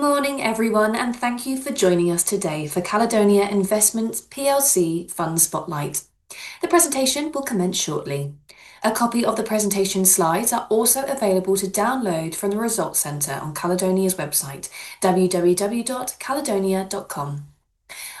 Good morning, everyone, and thank you for joining us today for Caledonia Investments PLC Fund Spotlight. The presentation will commence shortly. A copy of the presentation slides is also available to download from the Results Centre on Caledonia's website, www.caledonia.com.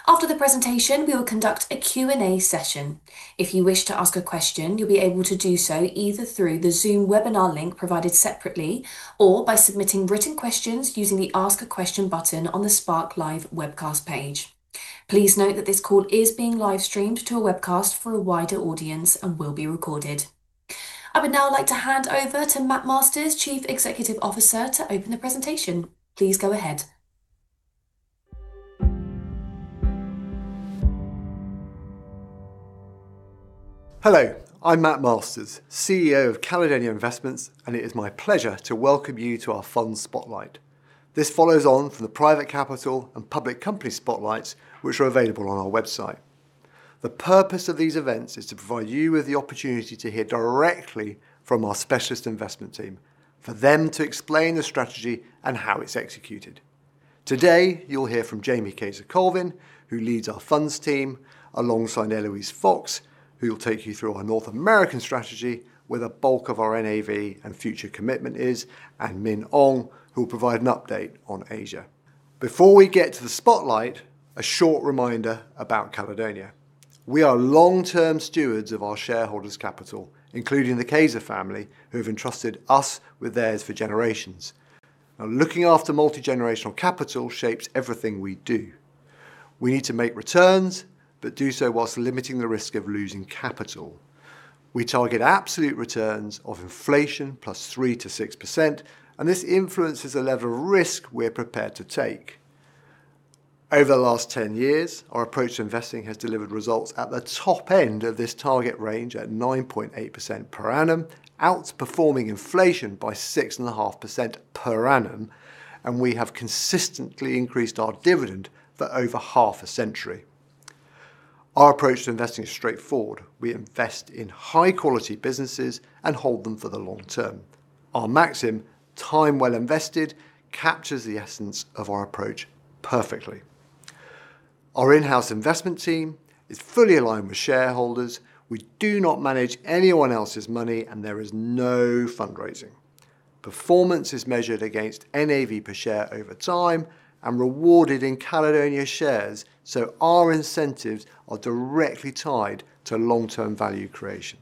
After the presentation, we will conduct a Q&A session. If you wish to ask a question, you'll be able to do so either through the Zoom webinar link provided separately or by submitting written questions using the Ask a Question button on the SparkLive webcast page. Please note that this call is being live streamed to a webcast for a wider audience and will be recorded. I would now like to hand over to Mat Masters, Chief Executive Officer, to open the presentation. Please go ahead. Hello, I'm Mat Masters, CEO of Caledonia Investments, and it is my pleasure to welcome you to our Fund Spotlight. This follows on from the Private Capital and Public Company Spotlights, which are available on our website. The purpose of these events is to provide you with the opportunity to hear directly from our Specialist Investment Team, for them to explain the strategy and how it's executed. Today, you'll hear from Jamie Cayzer-Colvin, who leads our Funds Team, alongside Eloise Fox, who will take you through our North American strategy, where the bulk of our NAV and future commitment is, and Min Ong, who will provide an update on Asia. Before we get to the spotlight, a short reminder about Caledonia. We are long-term stewards of our shareholders' capital, including the Cayzer family, who have entrusted us with theirs for generations. Now, looking after multi-generational capital shapes everything we do. We need to make returns but do so whilst limiting the risk of losing capital. We target absolute returns of inflation +3%-6%, and this influences the level of risk we're prepared to take. Over the last 10 years, our approach to investing has delivered results at the top end of this target range at 9.8% per annum, outperforming inflation by 6.5% per annum, and we have consistently increased our dividend for over half a century. Our approach to investing is straightforward. We invest in high-quality businesses and hold them for the long term. Our maxim, "Time well invested," captures the essence of our approach perfectly. Our in-house investment team is fully aligned with shareholders. We do not manage anyone else's money, and there is no fundraising. Performance is measured against NAV per share over time and rewarded in Caledonia shares, so our incentives are directly tied to long-term value creation.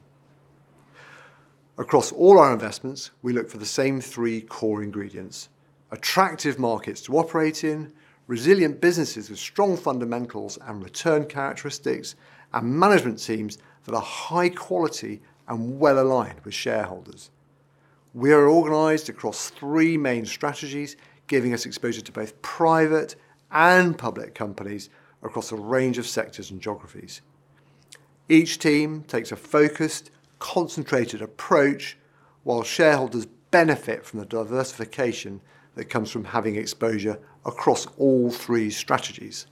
Across all our investments, we look for the same three core ingredients: attractive markets to operate in, resilient businesses with strong fundamentals and return characteristics, and management teams that are high quality and well aligned with shareholders. We are organized across three main strategies, giving us exposure to both private and public companies across a range of sectors and geographies. Each team takes a focused, concentrated approach, while shareholders benefit from the diversification that comes from having exposure across all three strategies.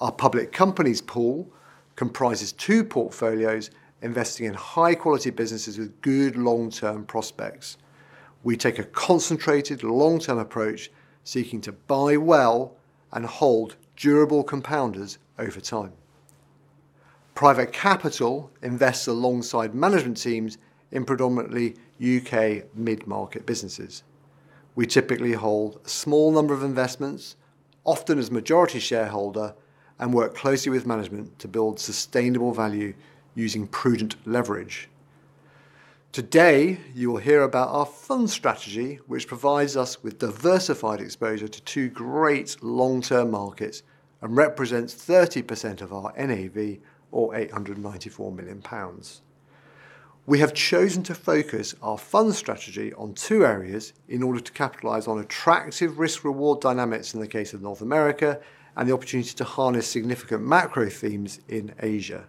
Our public companies pool comprises two portfolios investing in high-quality businesses with good long-term prospects. We take a concentrated, long-term approach, seeking to buy well and hold durable compounders over time. Private capital invests alongside management teams in predominantly U.K. mid-market businesses. We typically hold a small number of investments, often as majority shareholder, and work closely with management to build sustainable value using prudent leverage. Today, you will hear about our Fund Strategy, which provides us with diversified exposure to two great long-term markets and represents 30% of our NAV, or 894 million pounds. We have chosen to focus our Fund Strategy on two areas in order to capitalize on attractive risk-reward dynamics in the case of North America and the opportunity to harness significant macro themes in Asia.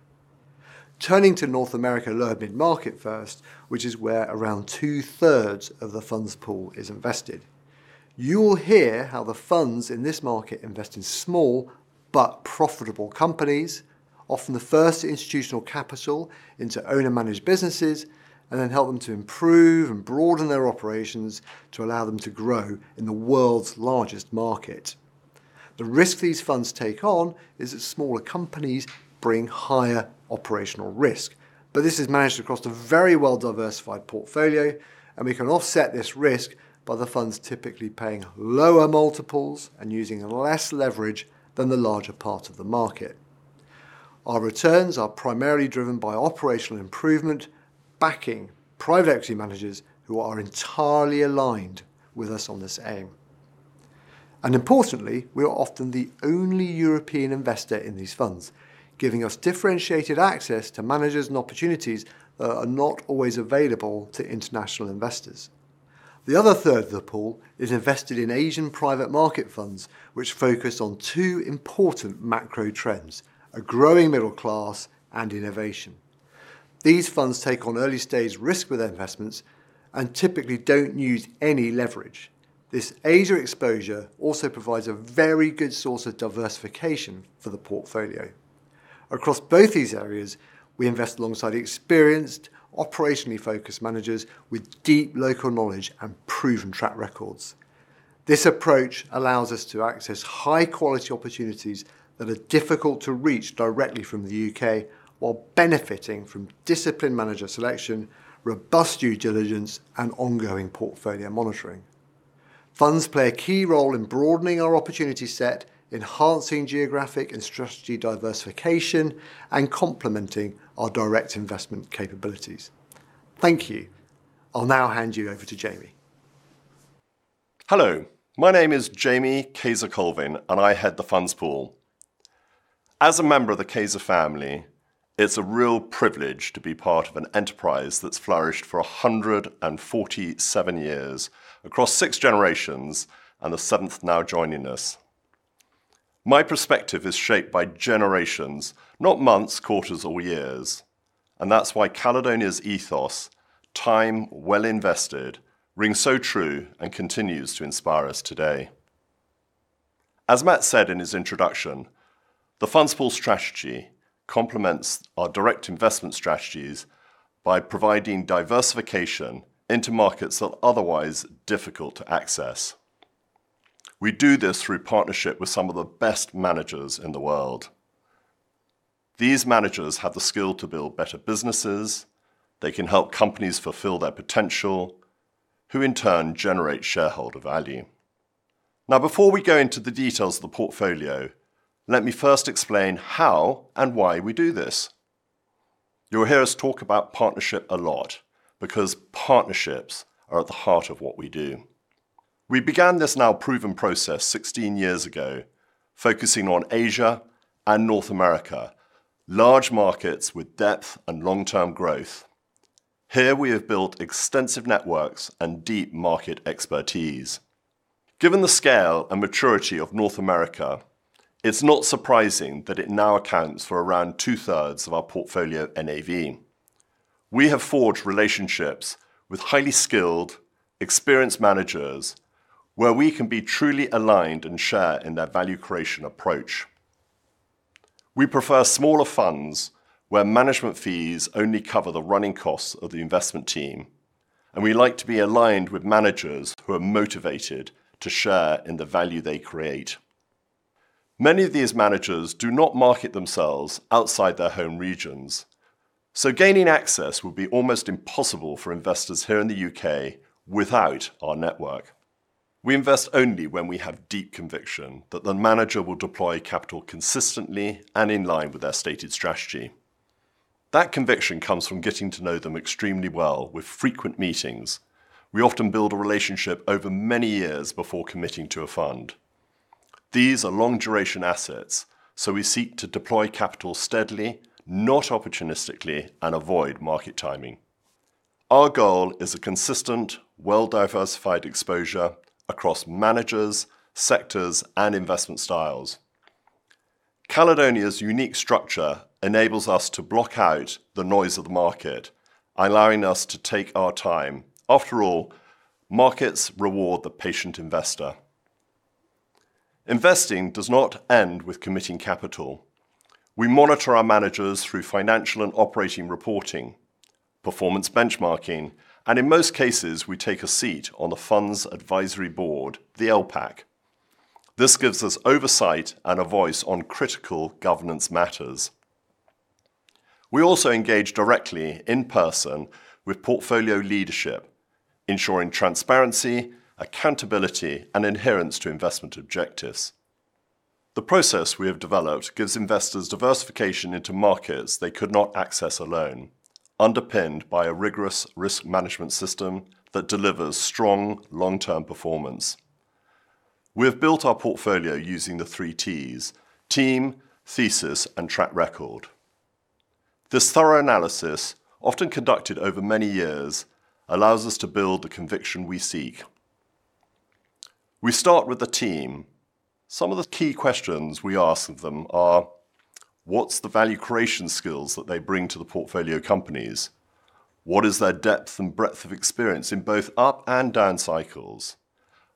Turning to North America lower mid-market first, which is where around two-thirds of the Funds pool is invested. You will hear how the Funds in this market invest in small but profitable companies, often the first institutional capital into owner-managed businesses and then help them to improve and broaden their operations to allow them to grow in the world's largest market. The risk these Funds take on is that smaller companies bring higher operational risk, but this is managed across a very well-diversified portfolio, and we can offset this risk by the Funds typically paying lower multiples and using less leverage than the larger part of the market. Our returns are primarily driven by operational improvement, backing private equity managers who are entirely aligned with us on this aim. Importantly, we are often the only European investor in these Funds, giving us differentiated access to managers and opportunities that are not always available to international investors. The other third of the pool is invested in Asian private market Funds, which focus on two important macro trends: a growing middle class and innovation. These Funds take on early-stage risk with their investments and typically don't use any leverage. This Asia exposure also provides a very good source of diversification for the portfolio. Across both these areas, we invest alongside experienced, operationally focused managers with deep local knowledge and proven track records. This approach allows us to access high-quality opportunities that are difficult to reach directly from the U.K., while benefiting from disciplined manager selection, robust due diligence, and ongoing portfolio monitoring. Funds play a key role in broadening our opportunity set, enhancing geographic and strategy diversification, and complementing our direct investment capabilities. Thank you. I'll now hand you over to Jamie. Hello, my name is Jamie Cayzer-Colvin, and I head the Funds pool. As a member of the Cayzer family, it's a real privilege to be part of an enterprise that's flourished for 147 years across six generations, and the seventh now joining us. My perspective is shaped by generations, not months, quarters, or years, and that's why Caledonia's ethos, "Time well invested," rings so true and continues to inspire us today. As Mat said in his introduction, the Funds pool strategy complements our direct investment strategies by providing diversification into markets that are otherwise difficult to access. We do this through partnership with some of the best managers in the world. These managers have the skill to build better businesses. They can help companies fulfill their potential, who in turn generate shareholder value. Now, before we go into the details of the portfolio, let me first explain how and why we do this. You'll hear us talk about partnership a lot because partnerships are at the heart of what we do. We began this now-proven process 16 years ago, focusing on Asia and North America, large markets with depth and long-term growth. Here, we have built extensive networks and deep market expertise. Given the scale and maturity of North America, it's not surprising that it now accounts for around two-thirds of our portfolio NAV. We have forged relationships with highly skilled, experienced managers where we can be truly aligned and share in their value creation approach. We prefer smaller funds where management fees only cover the running costs of the investment team, and we like to be aligned with managers who are motivated to share in the value they create. Many of these managers do not market themselves outside their home regions, so gaining access will be almost impossible for investors here in the U.K. without our network. We invest only when we have deep conviction that the manager will deploy capital consistently and in line with their stated strategy. That conviction comes from getting to know them extremely well with frequent meetings. We often build a relationship over many years before committing to a fund. These are long-duration assets, so we seek to deploy capital steadily, not opportunistically, and avoid market timing. Our goal is a consistent, well-diversified exposure across managers, sectors, and investment styles. Caledonia's unique structure enables us to block out the noise of the market, allowing us to take our time. After all, markets reward the patient investor. Investing does not end with committing capital. We monitor our managers through financial and operating reporting, performance benchmarking, and in most cases, we take a seat on the Funds Advisory Board, the LPAC. This gives us oversight and a voice on critical governance matters. We also engage directly, in person, with portfolio leadership, ensuring transparency, accountability, and adherence to investment objectives. The process we have developed gives investors diversification into markets they could not access alone, underpinned by a rigorous risk management system that delivers strong, long-term performance. We have built our portfolio using the three Ts: team, thesis, and track record. This thorough analysis, often conducted over many years, allows us to build the conviction we seek. We start with the team. Some of the key questions we ask of them are: What's the value creation skills that they bring to the portfolio companies? What is their depth and breadth of experience in both up and down cycles?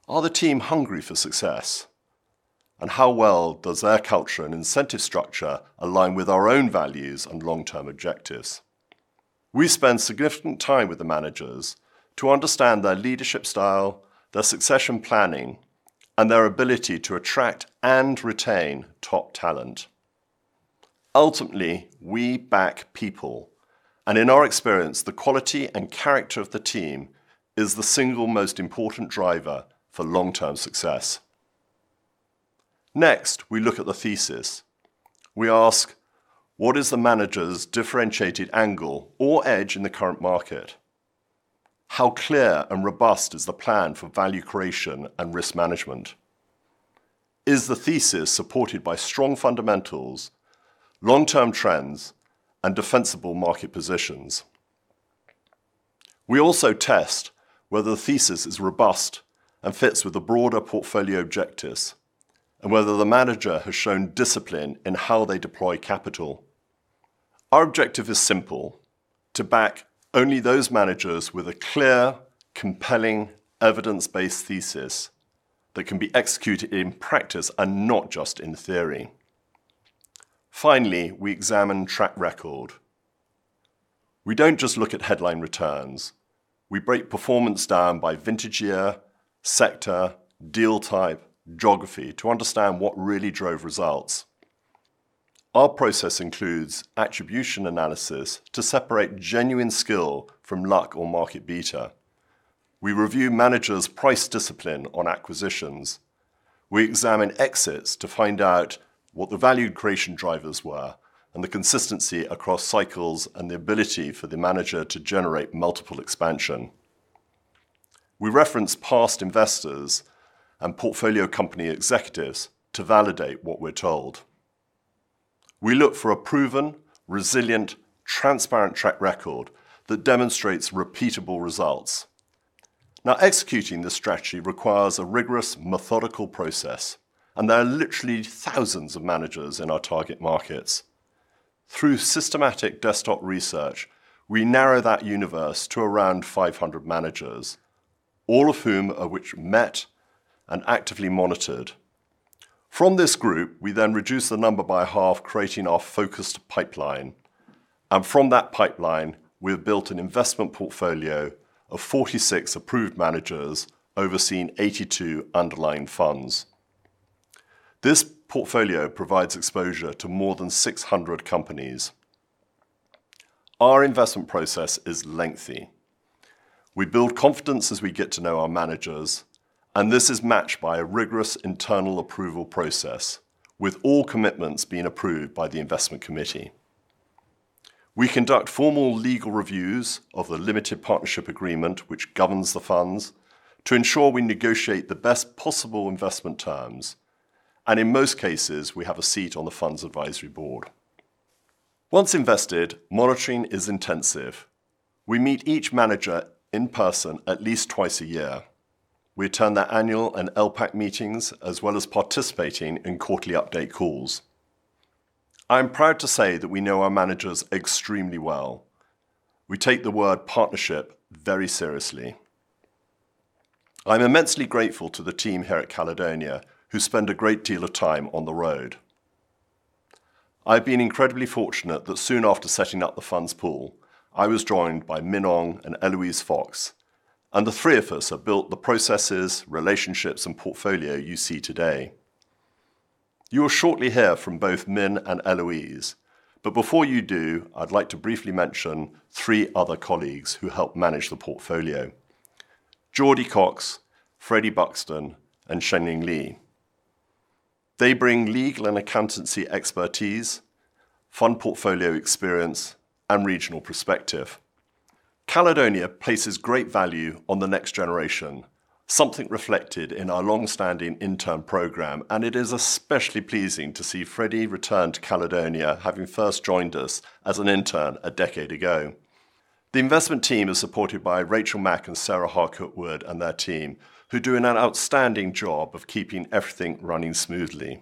Are the team hungry for success? And how well does their culture and incentive structure align with our own values and long-term objectives? We spend significant time with the managers to understand their leadership style, their succession planning, and their ability to attract and retain top talent. Ultimately, we back people, and in our experience, the quality and character of the team is the single most important driver for long-term success. Next, we look at the thesis. We ask, what is the manager's differentiated angle or edge in the current market? How clear and robust is the plan for value creation and risk management? Is the thesis supported by strong fundamentals, long-term trends, and defensible market positions? We also test whether the thesis is robust and fits with the broader portfolio objectives, and whether the manager has shown discipline in how they deploy capital. Our objective is simple: to back only those managers with a clear, compelling, evidence-based thesis that can be executed in practice and not just in theory. Finally, we examine track record. We don't just look at headline returns. We break performance down by vintage year, sector, deal type, geography to understand what really drove results. Our process includes attribution analysis to separate genuine skill from luck or market beta. We review managers' price discipline on acquisitions. We examine exits to find out what the value creation drivers were and the consistency across cycles and the ability for the manager to generate multiple expansion. We reference past investors and portfolio company executives to validate what we're told. We look for a proven, resilient, transparent track record that demonstrates repeatable results. Now, executing this strategy requires a rigorous, methodical process, and there are literally thousands of managers in our target markets. Through systematic desktop research, we narrow that universe to around 500 managers, all of whom are met and actively monitored. From this group, we then reduce the number by half, creating our focused pipeline. From that pipeline, we have built an investment portfolio of 46 approved managers overseeing 82 underlying funds. This portfolio provides exposure to more than 600 companies. Our investment process is lengthy. We build confidence as we get to know our managers, and this is matched by a rigorous internal approval process, with all commitments being approved by the investment committee. We conduct formal legal reviews of the limited partnership agreement which governs the funds to ensure we negotiate the best possible investment terms, and in most cases, we have a seat on the Funds Advisory Board. Once invested, monitoring is intensive. We meet each manager in person at least twice a year. We attend their annual and LPAC meetings, as well as participating in quarterly update calls. I am proud to say that we know our managers extremely well. We take the word partnership very seriously. I'm immensely grateful to the team here at Caledonia, who spend a great deal of time on the road. I've been incredibly fortunate that soon after setting up the Funds pool, I was joined by Min Ong and Eloise Fox, and the three of us have built the processes, relationships, and portfolio you see today. You will shortly hear from both Min and Eloise, but before you do, I'd like to briefly mention three other colleagues who help manage the portfolio: Geordie Cox, Freddie Buxton, and Shenying Li. They bring legal and accountancy expertise, fund portfolio experience, and regional perspective. Caledonia places great value on the next generation, something reflected in our long-standing intern program, and it is especially pleasing to see Freddie return to Caledonia, having first joined us as an intern a decade ago. The investment team is supported by Rachel Mak and Sarah Harcourt-Wood and their team, who do an outstanding job of keeping everything running smoothly.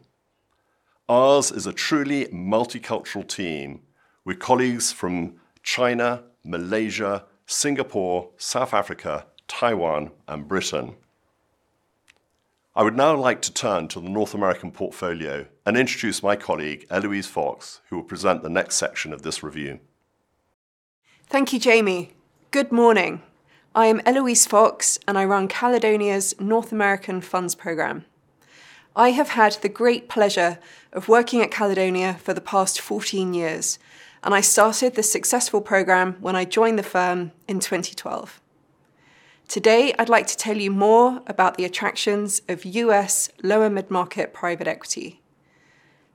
Ours is a truly multicultural team with colleagues from China, Malaysia, Singapore, South Africa, Taiwan, and Britain. I would now like to turn to the North American portfolio and introduce my colleague, Eloise Fox, who will present the next section of this review. Thank you, Jamie. Good morning. I am Eloise Fox, and I run Caledonia's North American Funds program. I have had the great pleasure of working at Caledonia for the past 14 years, and I started the successful program when I joined the firm in 2012. Today, I'd like to tell you more about the attractions of U.S. lower mid-market private equity.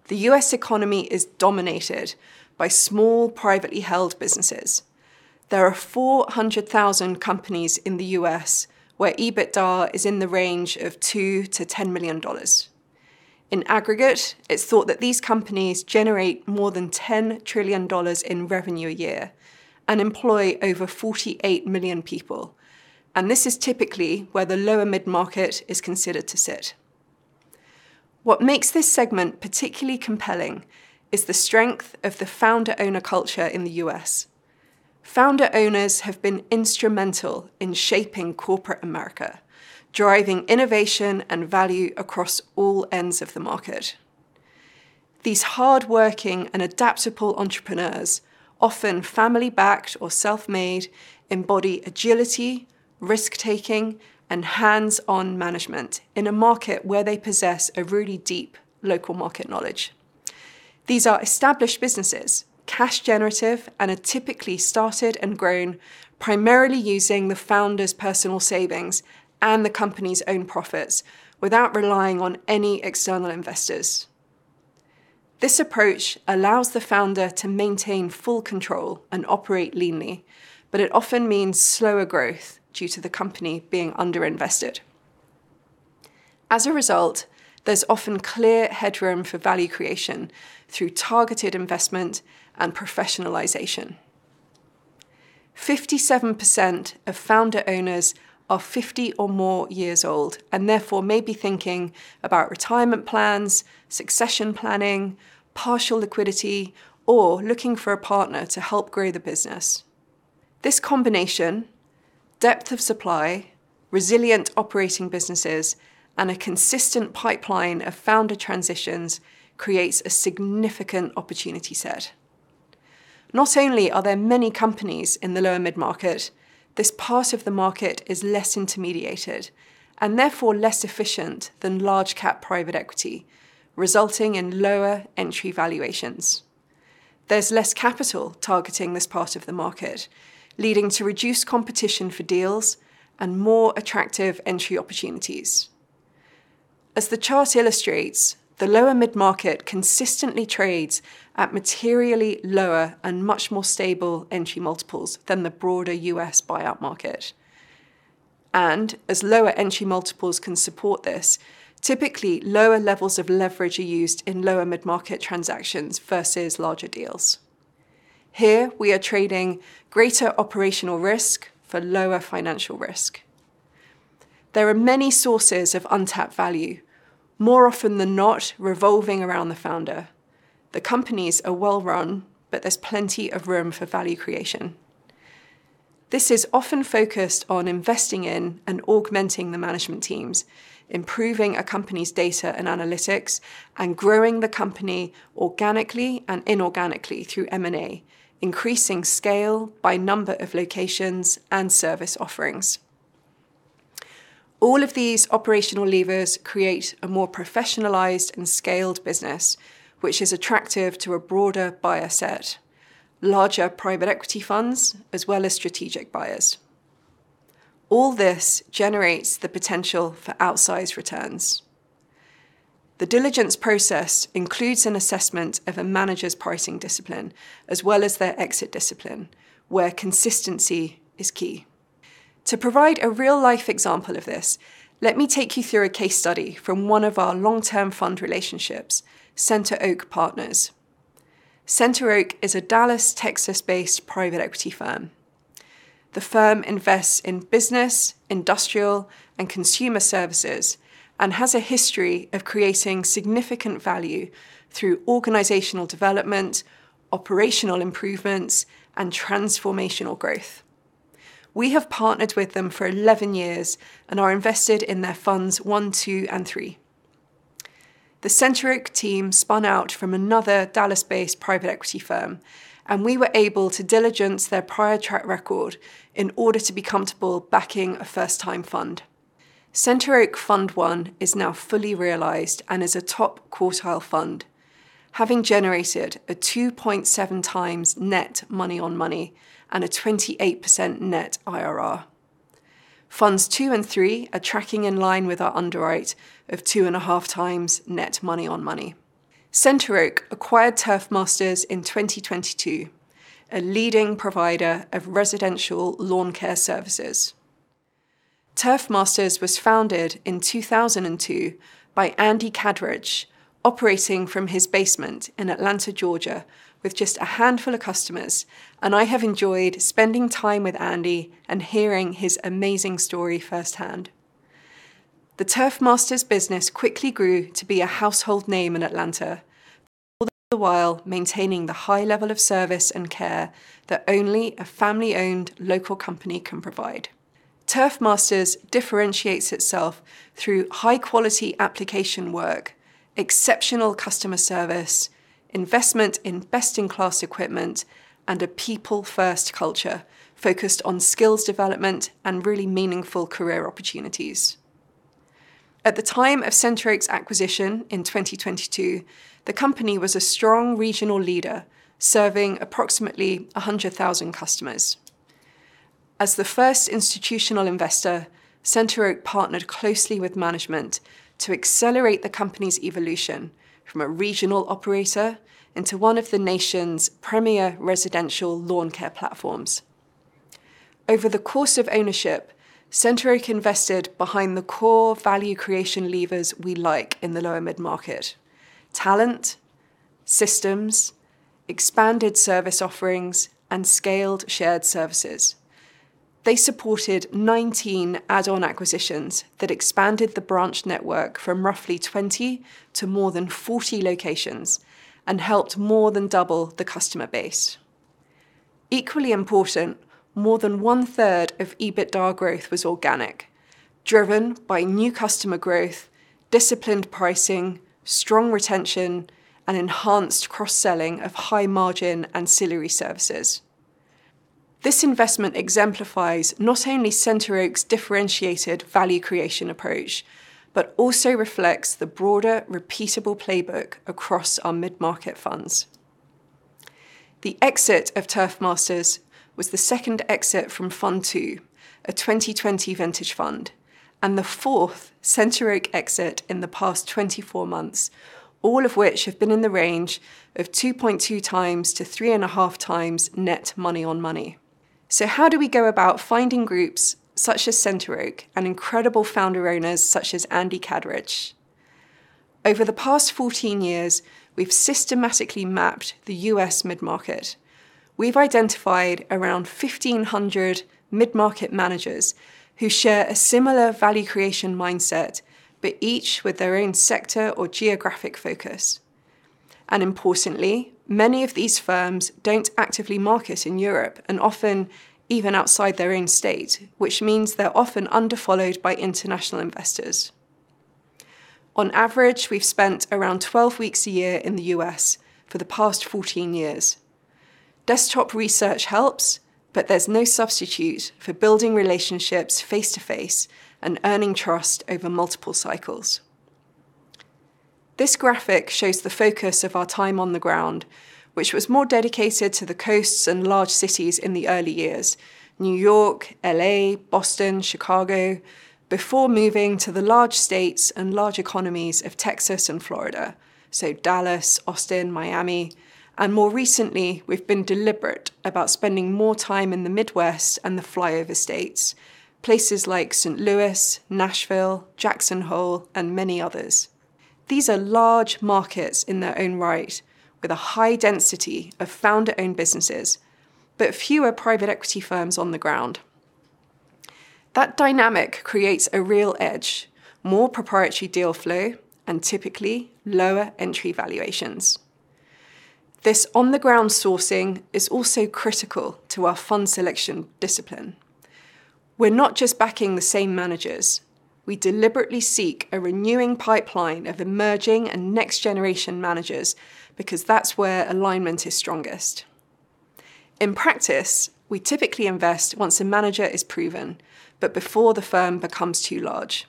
The U.S. economy is dominated by small privately held businesses. There are 400,000 companies in the U.S. where EBITDA is in the range of $2 million-$10 million. In aggregate, it's thought that these companies generate more than $10 trillion in revenue a year and employ over 48 million people, and this is typically where the lower mid-market is considered to sit. What makes this segment particularly compelling is the strength of the founder-owner culture in the U.S. Founder-owners have been instrumental in shaping corporate America, driving innovation and value across all ends of the market. These hardworking and adaptable entrepreneurs, often family-backed or self-made, embody agility, risk-taking, and hands-on management in a market where they possess a really deep local market knowledge. These are established businesses, cash-generative, and are typically started and grown primarily using the founder's personal savings and the company's own profits without relying on any external investors. This approach allows the founder to maintain full control and operate leanly, but it often means slower growth due to the company being underinvested. As a result, there's often clear headroom for value creation through targeted investment and professionalization. 57% of founder-owners are 50 or more years old and therefore may be thinking about retirement plans, succession planning, partial liquidity, or looking for a partner to help grow the business. This combination (depth of supply, resilient operating businesses, and a consistent pipeline of founder transitions) creates a significant opportunity set. Not only are there many companies in the lower mid-market, this part of the market is less intermediated and therefore less efficient than large-cap private equity, resulting in lower entry valuations. There's less capital targeting this part of the market, leading to reduced competition for deals and more attractive entry opportunities. As the chart illustrates, the lower mid-market consistently trades at materially lower and much more stable entry multiples than the broader U.S. buyout market. As lower entry multiples can support this, typically lower levels of leverage are used in lower mid-market transactions versus larger deals. Here, we are trading greater operational risk for lower financial risk. There are many sources of untapped value, more often than not revolving around the founder. The companies are well-run, but there's plenty of room for value creation. This is often focused on investing in and augmenting the management teams, improving a company's data and analytics, and growing the company organically and inorganically through M&A, increasing scale by number of locations and service offerings. All of these operational levers create a more professionalized and scaled business, which is attractive to a broader buyer set, larger private equity funds, as well as strategic buyers. All this generates the potential for outsized returns. The diligence process includes an assessment of a manager's pricing discipline, as well as their exit discipline, where consistency is key. To provide a real-life example of this, let me take you through a case study from one of our long-term fund relationships, CenterOak Partners. CenterOak is a Dallas, Texas-based private equity firm. The firm invests in business, industrial, and consumer services and has a history of creating significant value through organizational development, operational improvements, and transformational growth. We have partnered with them for 11 years and are invested in their Funds 1, 2, and 3. The CenterOak team spun out from another Dallas-based private equity firm, and we were able to diligence their prior track record in order to be comfortable backing a first-time fund. CenterOak Fund 1 is now fully realized and is a top quartile fund, having generated a 2.7x net money-on-money and a 28% net IRR. Funds 2 and 3 are tracking in line with our underwrite of 2.5x net money-on-money. CenterOak acquired Turf Masters in 2022, a leading provider of residential lawn care services. Turf Masters was founded in 2002 by Andy Kadrich, operating from his basement in Atlanta, Georgia, with just a handful of customers, and I have enjoyed spending time with Andy and hearing his amazing story firsthand. The Turf Masters business quickly grew to be a household name in Atlanta, all the while maintaining the high level of service and care that only a family-owned local company can provide. Turf Masters differentiates itself through high-quality application work, exceptional customer service, investment in best-in-class equipment, and a people-first culture focused on skills development and really meaningful career opportunities. At the time of CenterOak's acquisition in 2022, the company was a strong regional leader serving approximately 100,000 customers. As the first institutional investor, CenterOak partnered closely with management to accelerate the company's evolution from a regional operator into one of the nation's premier residential lawn care platforms. Over the course of ownership, CenterOak invested behind the core value creation levers we like in the lower mid-market: talent, systems, expanded service offerings, and scaled shared services. They supported 19 add-on acquisitions that expanded the branch network from roughly 20 to more than 40 locations and helped more than double the customer base. Equally important, more than one-third of EBITDA growth was organic, driven by new customer growth, disciplined pricing, strong retention, and enhanced cross-selling of high-margin ancillary services. This investment exemplifies not only CenterOak's differentiated value creation approach, but also reflects the broader, repeatable playbook across our mid-market funds. The exit of Turf Masters was the second exit from Fund 2, a 2020 vintage fund, and the fourth CenterOak exit in the past 24 months, all of which have been in the range of 2.2x-3.5x net money-on-money. So how do we go about finding groups such as CenterOak and incredible founder-owners such as Andy Kadrich? Over the past 14 years, we've systematically mapped the U.S. mid-market. We've identified around 1,500 mid-market managers who share a similar value creation mindset, but each with their own sector or geographic focus. Importantly, many of these firms don't actively market in Europe and often even outside their own state, which means they're often underfollowed by international investors. On average, we've spent around 12 weeks a year in the U.S. for the past 14 years. Desktop research helps, but there's no substitute for building relationships face-to-face and earning trust over multiple cycles. This graphic shows the focus of our time on the ground, which was more dedicated to the coasts and large cities in the early years, New York, L.A., Boston, Chicago, before moving to the large states and large economies of Texas and Florida, so Dallas, Austin, Miami. More recently, we've been deliberate about spending more time in the Midwest and the flyover states, places like St. Louis, Nashville, Jackson Hole, and many others. These are large markets in their own right, with a high density of founder-owned businesses, but fewer private equity firms on the ground. That dynamic creates a real edge, more proprietary deal flow, and typically lower entry valuations. This on-the-ground sourcing is also critical to our fund selection discipline. We're not just backing the same managers. We deliberately seek a renewing pipeline of emerging and next-generation managers because that's where alignment is strongest. In practice, we typically invest once a manager is proven, but before the firm becomes too large.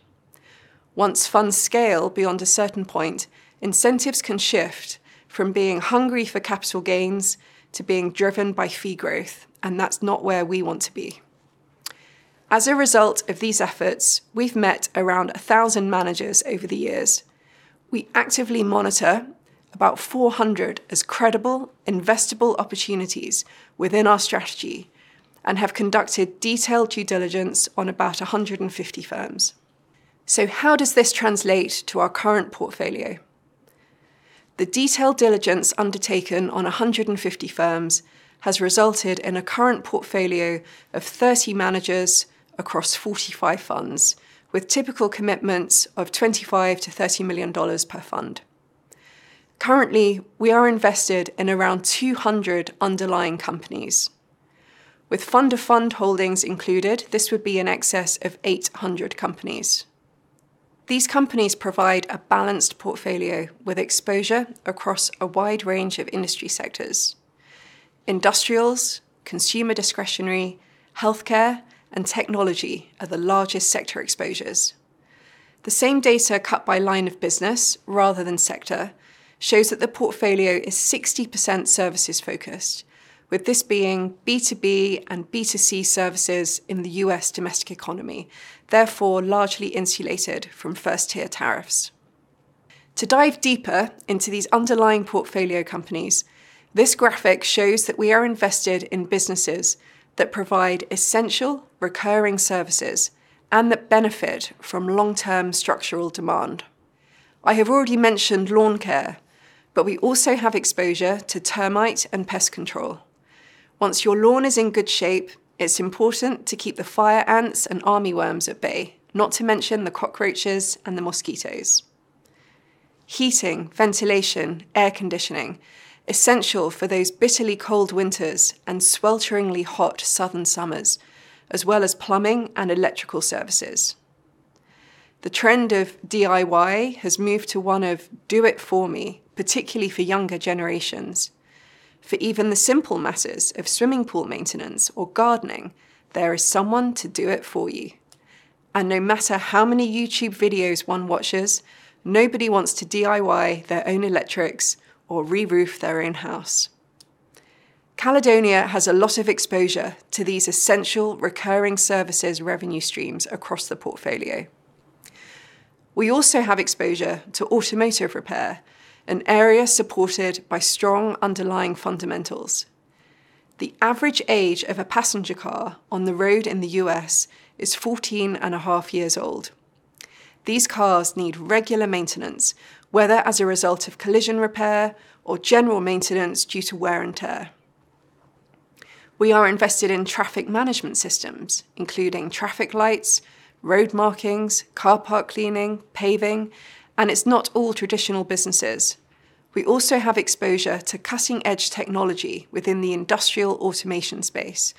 Once funds scale beyond a certain point, incentives can shift from being hungry for capital gains to being driven by fee growth, and that's not where we want to be. As a result of these efforts, we've met around 1,000 managers over the years. We actively monitor about 400 as credible, investable opportunities within our strategy and have conducted detailed due diligence on about 150 firms. So how does this translate to our current portfolio? The detailed diligence undertaken on 150 firms has resulted in a current portfolio of 30 managers across 45 funds, with typical commitments of $25 million-$30 million per fund. Currently, we are invested in around 200 underlying companies. With fund of funds holdings included, this would be in excess of 800 companies. These companies provide a balanced portfolio with exposure across a wide range of industry sectors. Industrials, consumer discretionary, healthcare, and technology are the largest sector exposures. The same data cut by line of business rather than sector shows that the portfolio is 60% services-focused, with this being B2B and B2C services in the U.S. domestic economy, therefore largely insulated from first-tier tariffs. To dive deeper into these underlying portfolio companies, this graphic shows that we are invested in businesses that provide essential recurring services and that benefit from long-term structural demand. I have already mentioned lawn care, but we also have exposure to termite and pest control. Once your lawn is in good shape, it's important to keep the fire ants and armyworms at bay, not to mention the cockroaches and the mosquitoes. Heating, ventilation, air conditioning, essential for those bitterly cold winters and swelteringly hot southern summers, as well as plumbing and electrical services. The trend of DIY has moved to one of do-it-for-me, particularly for younger generations. For even the simple matters of swimming pool maintenance or gardening, there is someone to do it for you. And no matter how many YouTube videos one watches, nobody wants to DIY their own electrics or re-roof their own house. Caledonia has a lot of exposure to these essential recurring services revenue streams across the portfolio. We also have exposure to automotive repair, an area supported by strong underlying fundamentals. The average age of a passenger car on the road in the U.S. is 14.5 years old. These cars need regular maintenance, whether as a result of collision repair or general maintenance due to wear and tear. We are invested in traffic management systems, including traffic lights, road markings, car park cleaning, paving, and it's not all traditional businesses. We also have exposure to cutting-edge technology within the industrial automation space,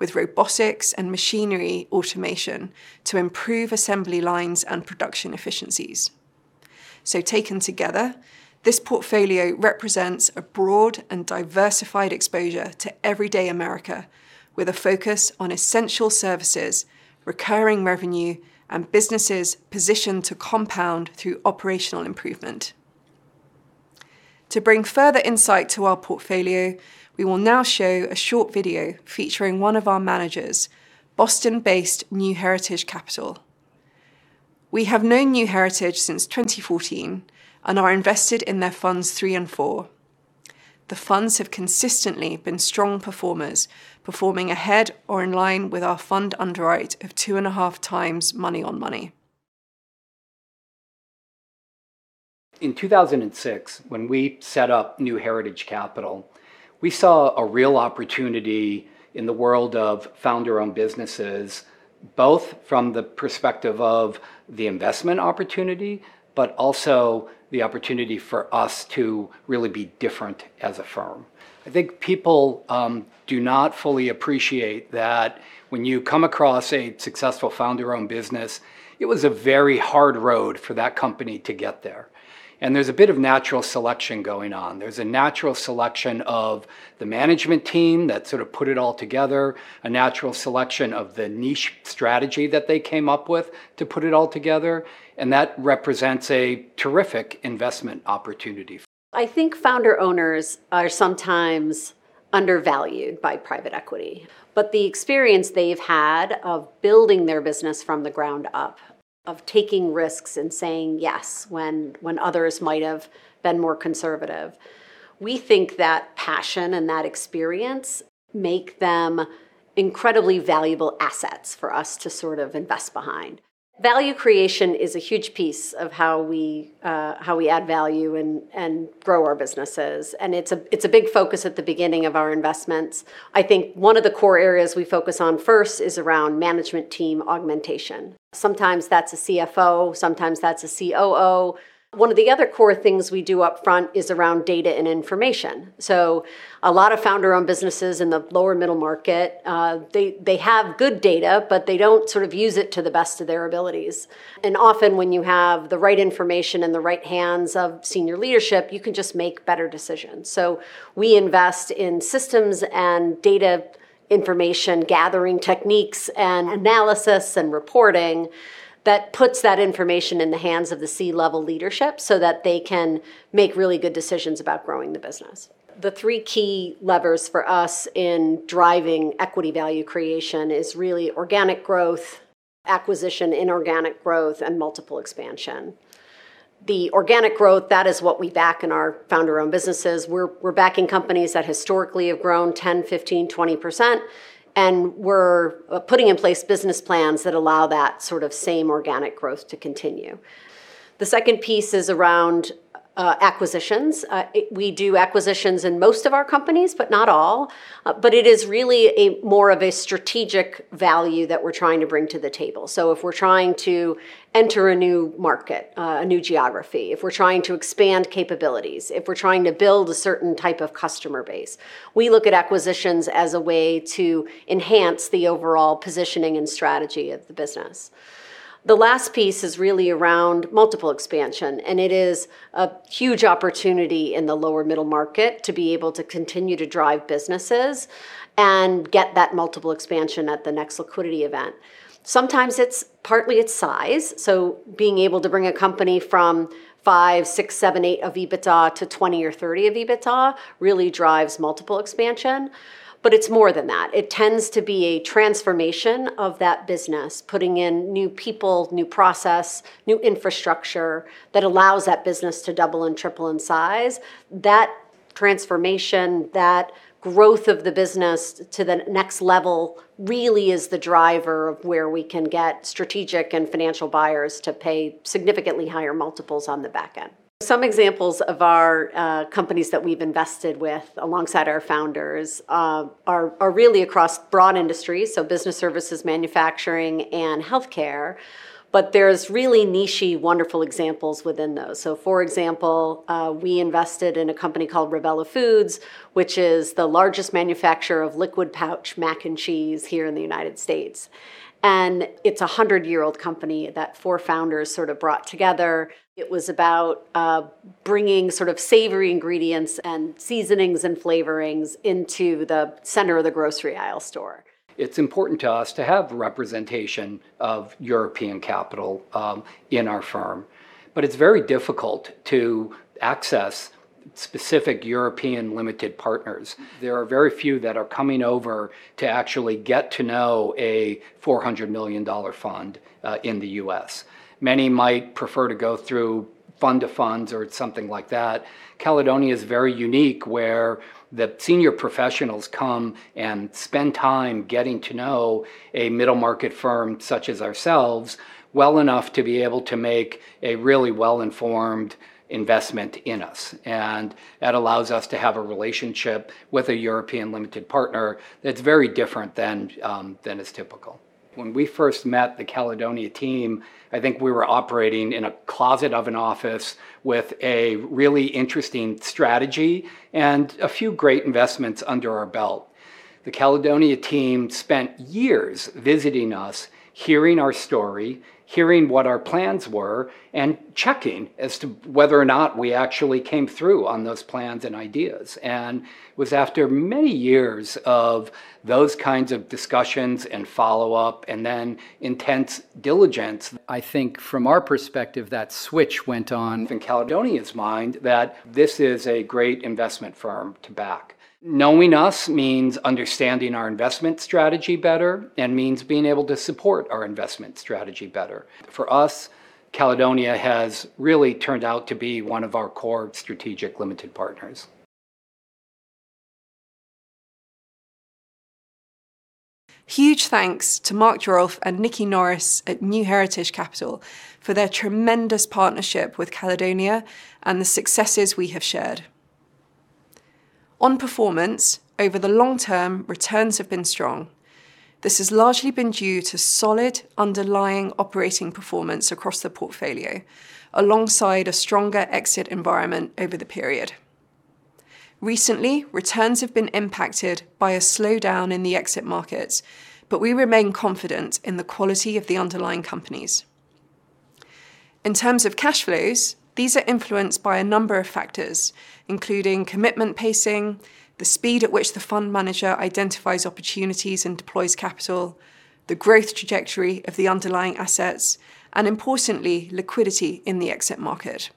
with robotics and machinery automation to improve assembly lines and production efficiencies. So taken together, this portfolio represents a broad and diversified exposure to everyday America, with a focus on essential services, recurring revenue, and businesses positioned to compound through operational improvement. To bring further insight to our portfolio, we will now show a short video featuring one of our managers, Boston-based New Heritage Capital. We have known New Heritage since 2014 and are invested in their funds three and four. The funds have consistently been strong performers, performing ahead or in line with our fund underwrite of 2.5x money-on-money. In 2006, when we set up New Heritage Capital, we saw a real opportunity in the world of founder-owned businesses, both from the perspective of the investment opportunity, but also the opportunity for us to really be different as a firm. I think people do not fully appreciate that when you come across a successful founder-owned business, it was a very hard road for that company to get there. And there's a bit of natural selection going on. There's a natural selection of the management team that sort of put it all together, a natural selection of the niche strategy that they came up with to put it all together, and that represents a terrific investment opportunity. I think founder-owners are sometimes undervalued by private equity, but the experience they've had of building their business from the ground up, of taking risks and saying yes when others might have been more conservative. We think that passion and that experience make them incredibly valuable assets for us to sort of invest behind. Value creation is a huge piece of how we add value and grow our businesses, and it's a big focus at the beginning of our investments. I think one of the core areas we focus on first is around management team augmentation. Sometimes that's a CFO, sometimes that's a COO. One of the other core things we do upfront is around data and information. So a lot of founder-owned businesses in the lower middle market, they have good data, but they don't sort of use it to the best of their abilities. Often when you have the right information in the right hands of senior leadership, you can just make better decisions. We invest in systems and data information gathering techniques and analysis and reporting that puts that information in the hands of the C-level leadership so that they can make really good decisions about growing the business. The three key levers for us in driving equity value creation are really organic growth, inorganic growth, and multiple expansion. The organic growth, that is what we back in our founder-owned businesses. We're backing companies that historically have grown 10%, 15%, 20%, and we're putting in place business plans that allow that sort of same organic growth to continue. The second piece is around acquisitions. We do acquisitions in most of our companies, but not all. But it is really more of a strategic value that we're trying to bring to the table. So if we're trying to enter a new market, a new geography, if we're trying to expand capabilities, if we're trying to build a certain type of customer base, we look at acquisitions as a way to enhance the overall positioning and strategy of the business. The last piece is really around multiple expansion, and it is a huge opportunity in the lower middle market to be able to continue to drive businesses and get that multiple expansion at the next liquidity event. Sometimes it's partly its size. So being able to bring a company from 5, 6, 7, 8 of EBITDA to 20 or 30 of EBITDA really drives multiple expansion, but it's more than that. It tends to be a transformation of that business, putting in new people, new process, new infrastructure that allows that business to double and triple in size. That transformation, that growth of the business to the next level really is the driver of where we can get strategic and financial buyers to pay significantly higher multiples on the back end. Some examples of our companies that we've invested with alongside our founders are are really across broad industries, so business services, manufacturing, and healthcare, but there's really niche wonderful examples within those. So for example, we invested in a company called Revela Foods, which is the largest manufacturer of liquid pouch mac and cheese here in the United States. And it's a 100-year-old company that four founders sort of brought together. It was about bringing sort of savory ingredients and seasonings and flavorings into the center of the grocery aisle store. It's important to us to have representation of European capital in our firm, but it's very difficult to access specific European limited partners. There are very few that are coming over to actually get to know a $400 million fund in the U.S. Many might prefer to go through fund of funds or something like that. Caledonia is very unique where the senior professionals come and spend time getting to know a middle market firm such as ourselves well enough to be able to make a really well-informed investment in us. And that allows us to have a relationship with a European limited partner that's very different than is typical. When we first met the Caledonia team, I think we were operating in a closet of an office with a really interesting strategy and a few great investments under our belt. The Caledonia team spent years visiting us, hearing our story, hearing what our plans were, and checking as to whether or not we actually came through on those plans and ideas. It was after many years of those kinds of discussions and follow-up and then intense diligence, I think from our perspective, that switch went on in Caledonia's mind that this is a great investment firm to back. Knowing us means understanding our investment strategy better and means being able to support our investment strategy better. For us, Caledonia has really turned out to be one of our core strategic limited partners. Huge thanks to Mark Jaffe and Nickie Norris at New Heritage Capital for their tremendous partnership with Caledonia and the successes we have shared. On performance, over the long term, returns have been strong. This has largely been due to solid underlying operating performance across the portfolio, alongside a stronger exit environment over the period. Recently, returns have been impacted by a slowdown in the exit markets, but we remain confident in the quality of the underlying companies. In terms of cash flows, these are influenced by a number of factors, including commitment pacing, the speed at which the fund manager identifies opportunities and deploys capital, the growth trajectory of the underlying assets, and importantly, liquidity in the exit market.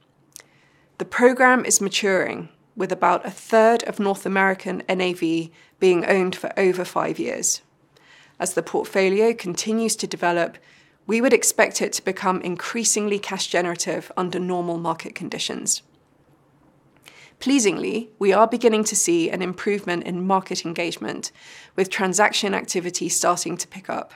The program is maturing, with about a third of North American NAV being owned for over five years. As the portfolio continues to develop, we would expect it to become increasingly cash-generative under normal market conditions. Pleasingly, we are beginning to see an improvement in market engagement, with transaction activity starting to pick up.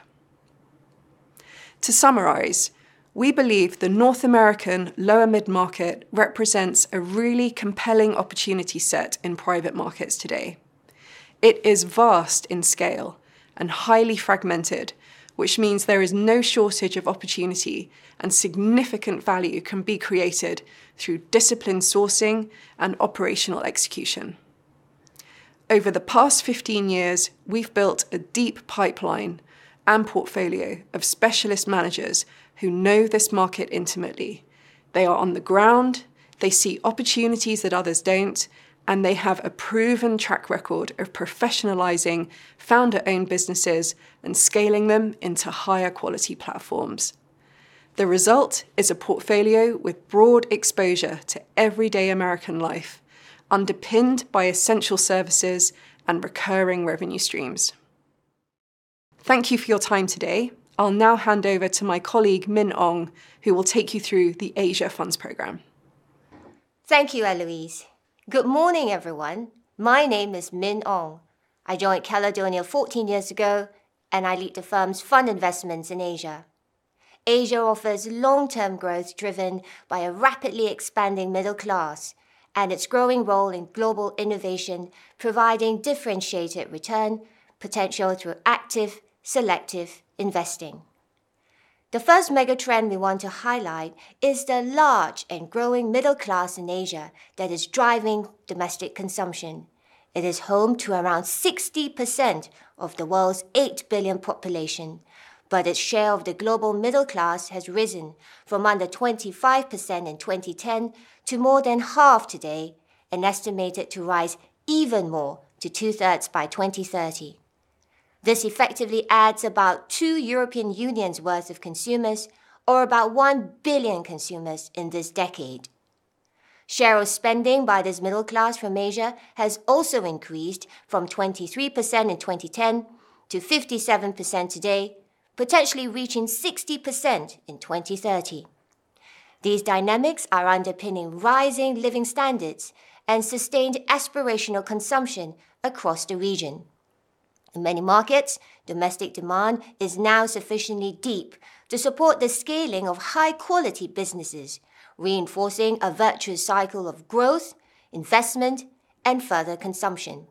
To summarize, we believe the North American lower mid-market represents a really compelling opportunity set in private markets today. It is vast in scale and highly fragmented, which means there is no shortage of opportunity and significant value can be created through disciplined sourcing and operational execution. Over the past 15 years, we've built a deep pipeline and portfolio of specialist managers who know this market intimately. They are on the ground, they see opportunities that others don't, and they have a proven track record of professionalizing founder-owned businesses and scaling them into higher quality platforms. The result is a portfolio with broad exposure to everyday American life, underpinned by essential services and recurring revenue streams. Thank you for your time today. I'll now hand over to my colleague, Min Ong, who will take you through the Asia Funds Program. Thank you, Eloise. Good morning, everyone. My name is Min Ong. I joined Caledonia 14 years ago, and I lead the firm's fund investments in Asia. Asia offers long-term growth driven by a rapidly expanding middle class and its growing role in global innovation, providing differentiated return potential through active, selective investing. The first mega trend we want to highlight is the large and growing middle class in Asia that is driving domestic consumption. It is home to around 60% of the world's 8 billion population, but its share of the global middle class has risen from under 25% in 2010 to more than 1/2 today and estimated to rise even more to 2/3 by 2030. This effectively adds about two European Union's worth of consumers or about 1 billion consumers in this decade. Share of spending by this middle class from Asia has also increased from 23% in 2010 to 57% today, potentially reaching 60% in 2030. These dynamics are underpinning rising living standards and sustained aspirational consumption across the region. In many markets, domestic demand is now sufficiently deep to support the scaling of high-quality businesses, reinforcing a virtuous cycle of growth, investment, and further consumption.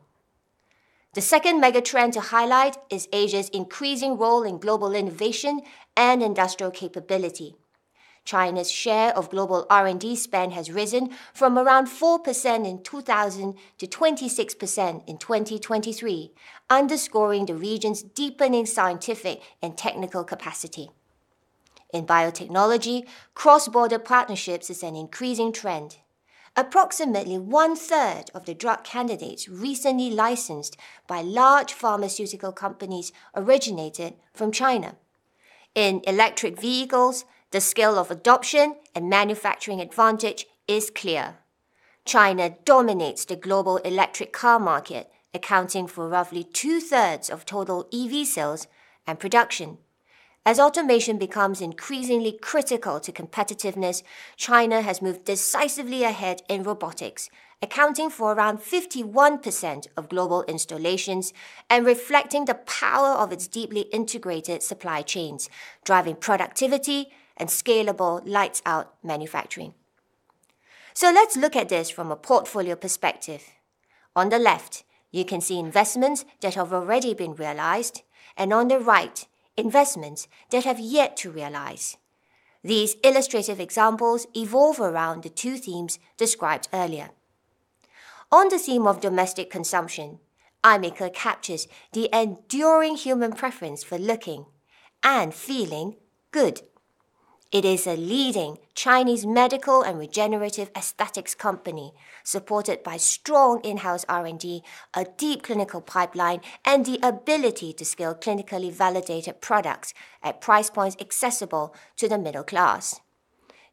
The second mega trend to highlight is Asia's increasing role in global innovation and industrial capability. China's share of global R&D spend has risen from around 4% in 2000 to 26% in 2023, underscoring the region's deepening scientific and technical capacity. In biotechnology, cross-border partnerships is an increasing trend. Approximately one-third of the drug candidates recently licensed by large pharmaceutical companies originated from China. In electric vehicles, the scale of adoption and manufacturing advantage is clear. China dominates the global electric car market, accounting for roughly two-thirds of total EV sales and production. As automation becomes increasingly critical to competitiveness, China has moved decisively ahead in robotics, accounting for around 51% of global installations and reflecting the power of its deeply integrated supply chains, driving productivity and scalable lights-out manufacturing. Let's look at this from a portfolio perspective. On the left, you can see investments that have already been realized, and on the right, investments that have yet to realize. These illustrative examples evolve around the two themes described earlier. On the theme of domestic consumption, Imeik captures the enduring human preference for looking and feeling good. It is a leading Chinese medical and regenerative aesthetics company supported by strong in-house R&D, a deep clinical pipeline, and the ability to scale clinically validated products at price points accessible to the middle class.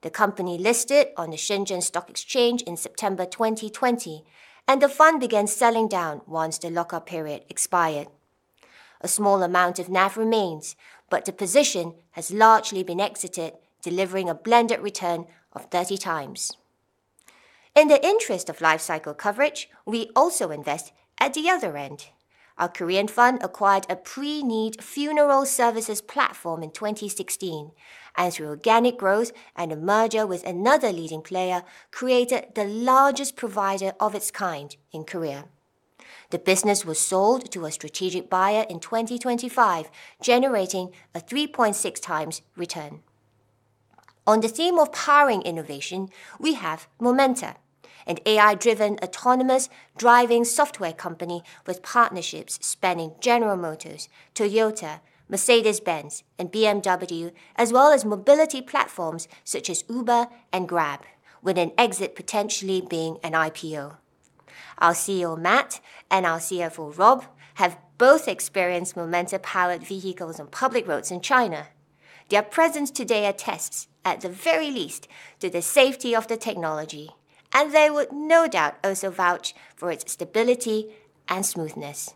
The company listed on the Shenzhen Stock Exchange in September 2020, and the fund began selling down once the lockup period expired. A small amount of NAV remains, but the position has largely been exited, delivering a blended return of 30x. In the interest of lifecycle coverage, we also invest at the other end. Our Korean fund acquired a pre-need funeral services platform in 2016, and through organic growth and a merger with another leading player, created the largest provider of its kind in Korea. The business was sold to a strategic buyer in 2025, generating a 3.6x return. On the theme of powering innovation, we have Momenta, an AI-driven autonomous driving software company with partnerships spanning General Motors, Toyota, Mercedes-Benz, and BMW, as well as mobility platforms such as Uber and Grab, with an exit potentially being an IPO. Our CEO, Mat, and our CFO, Rob, have both experienced Momenta-powered vehicles on public roads in China. Their presence today attests, at the very least, to the safety of the technology, and they would no doubt also vouch for its stability and smoothness.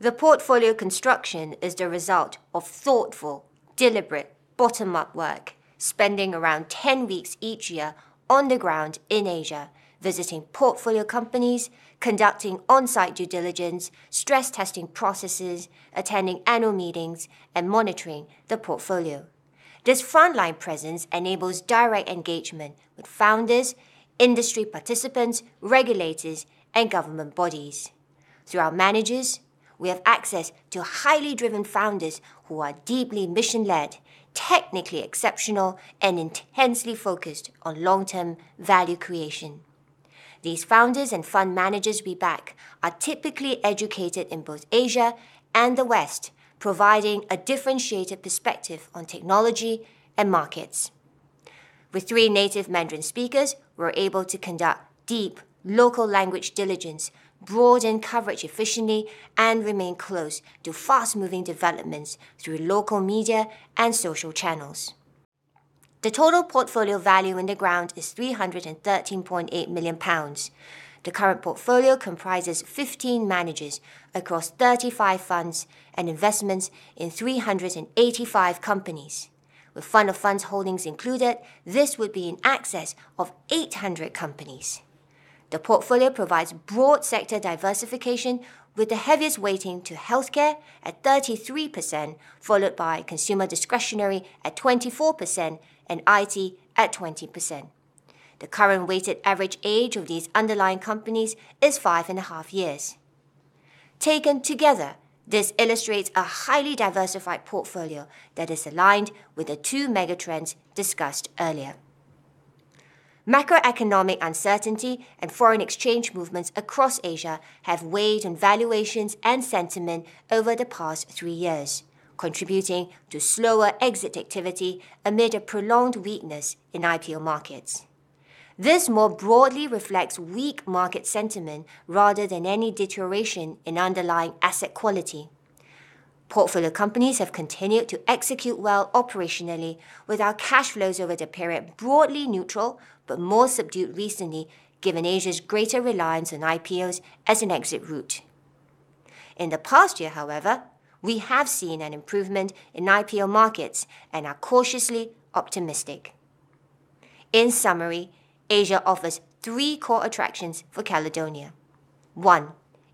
The portfolio construction is the result of thoughtful, deliberate bottom-up work, spending around 10 weeks each year on the ground in Asia, visiting portfolio companies, conducting on-site due diligence, stress-testing processes, attending annual meetings, and monitoring the portfolio. This frontline presence enables direct engagement with founders, industry participants, regulators, and government bodies. Through our managers, we have access to highly driven founders who are deeply mission-led, technically exceptional, and intensely focused on long-term value creation. These founders and fund managers we back are typically educated in both Asia and the West, providing a differentiated perspective on technology and markets. With three native Mandarin speakers, we're able to conduct deep local language diligence, broaden coverage efficiently, and remain close to fast-moving developments through local media and social channels. The total portfolio value on the ground is 313.8 million pounds. The current portfolio comprises 15 managers across 35 funds and investments in 385 companies. With fund of funds holdings included, this would be an excess of 800 companies. The portfolio provides broad sector diversification, with the heaviest weighting to healthcare at 33%, followed by consumer discretionary at 24% and IT at 20%. The current weighted average age of these underlying companies is five and a half years. Taken together, this illustrates a highly diversified portfolio that is aligned with the two mega trends discussed earlier. Macroeconomic uncertainty and foreign exchange movements across Asia have weighed on valuations and sentiment over the past three years, contributing to slower exit activity amid a prolonged weakness in IPO markets. This more broadly reflects weak market sentiment rather than any deterioration in underlying asset quality. Portfolio companies have continued to execute well operationally, with our cash flows over the period broadly neutral but more subdued recently, given Asia's greater reliance on IPOs as an exit route. In the past year, however, we have seen an improvement in IPO markets and are cautiously optimistic. In summary, Asia offers three core attractions for Caledonia. One,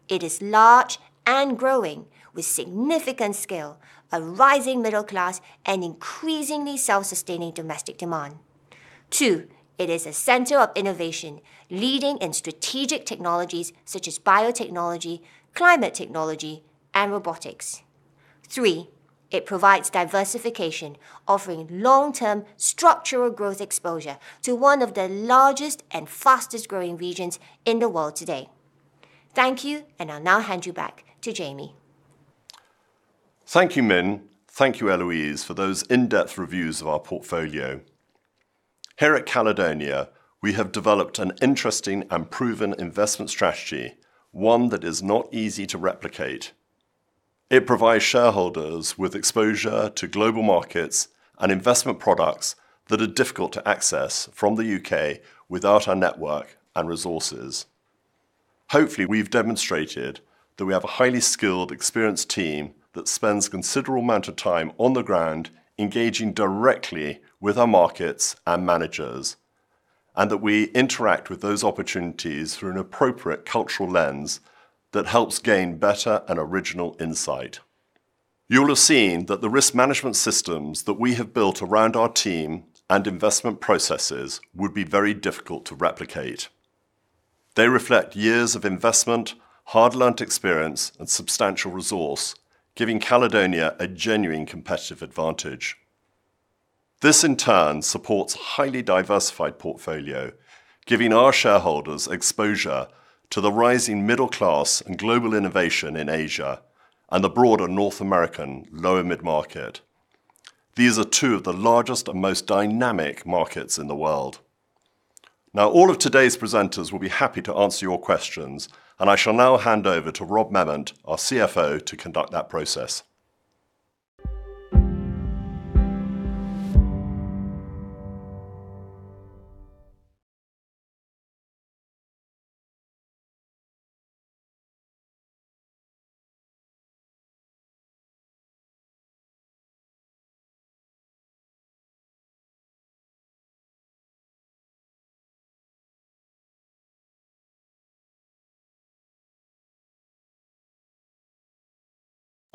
it is large and growing with significant scale, a rising middle class, and increasingly self-sustaining domestic demand. Two, it is a center of innovation, leading in strategic technologies such as biotechnology, climate technology, and robotics. Three, it provides diversification, offering long-term structural growth exposure to one of the largest and fastest-growing regions in the world today. Thank you, and I'll now hand you back to Jamie. Thank you, Min. Thank you, Eloise, for those in-depth reviews of our portfolio. Here at Caledonia, we have developed an interesting and proven investment strategy, one that is not easy to replicate. It provides shareholders with exposure to global markets and investment products that are difficult to access from the U.K. without our network and resources. Hopefully, we've demonstrated that we have a highly skilled, experienced team that spends a considerable amount of time on the ground engaging directly with our markets and managers, and that we interact with those opportunities through an appropriate cultural lens that helps gain better and original insight. You'll have seen that the risk management systems that we have built around our team and investment processes would be very difficult to replicate. They reflect years of investment, hard-earned experience, and substantial resource, giving Caledonia a genuine competitive advantage. This, in turn, supports a highly diversified portfolio, giving our shareholders exposure to the rising middle class and global innovation in Asia and the broader North American lower mid-market. These are two of the largest and most dynamic markets in the world. Now, all of today's presenters will be happy to answer your questions, and I shall now hand over to Rob Memmott, our CFO, to conduct that process.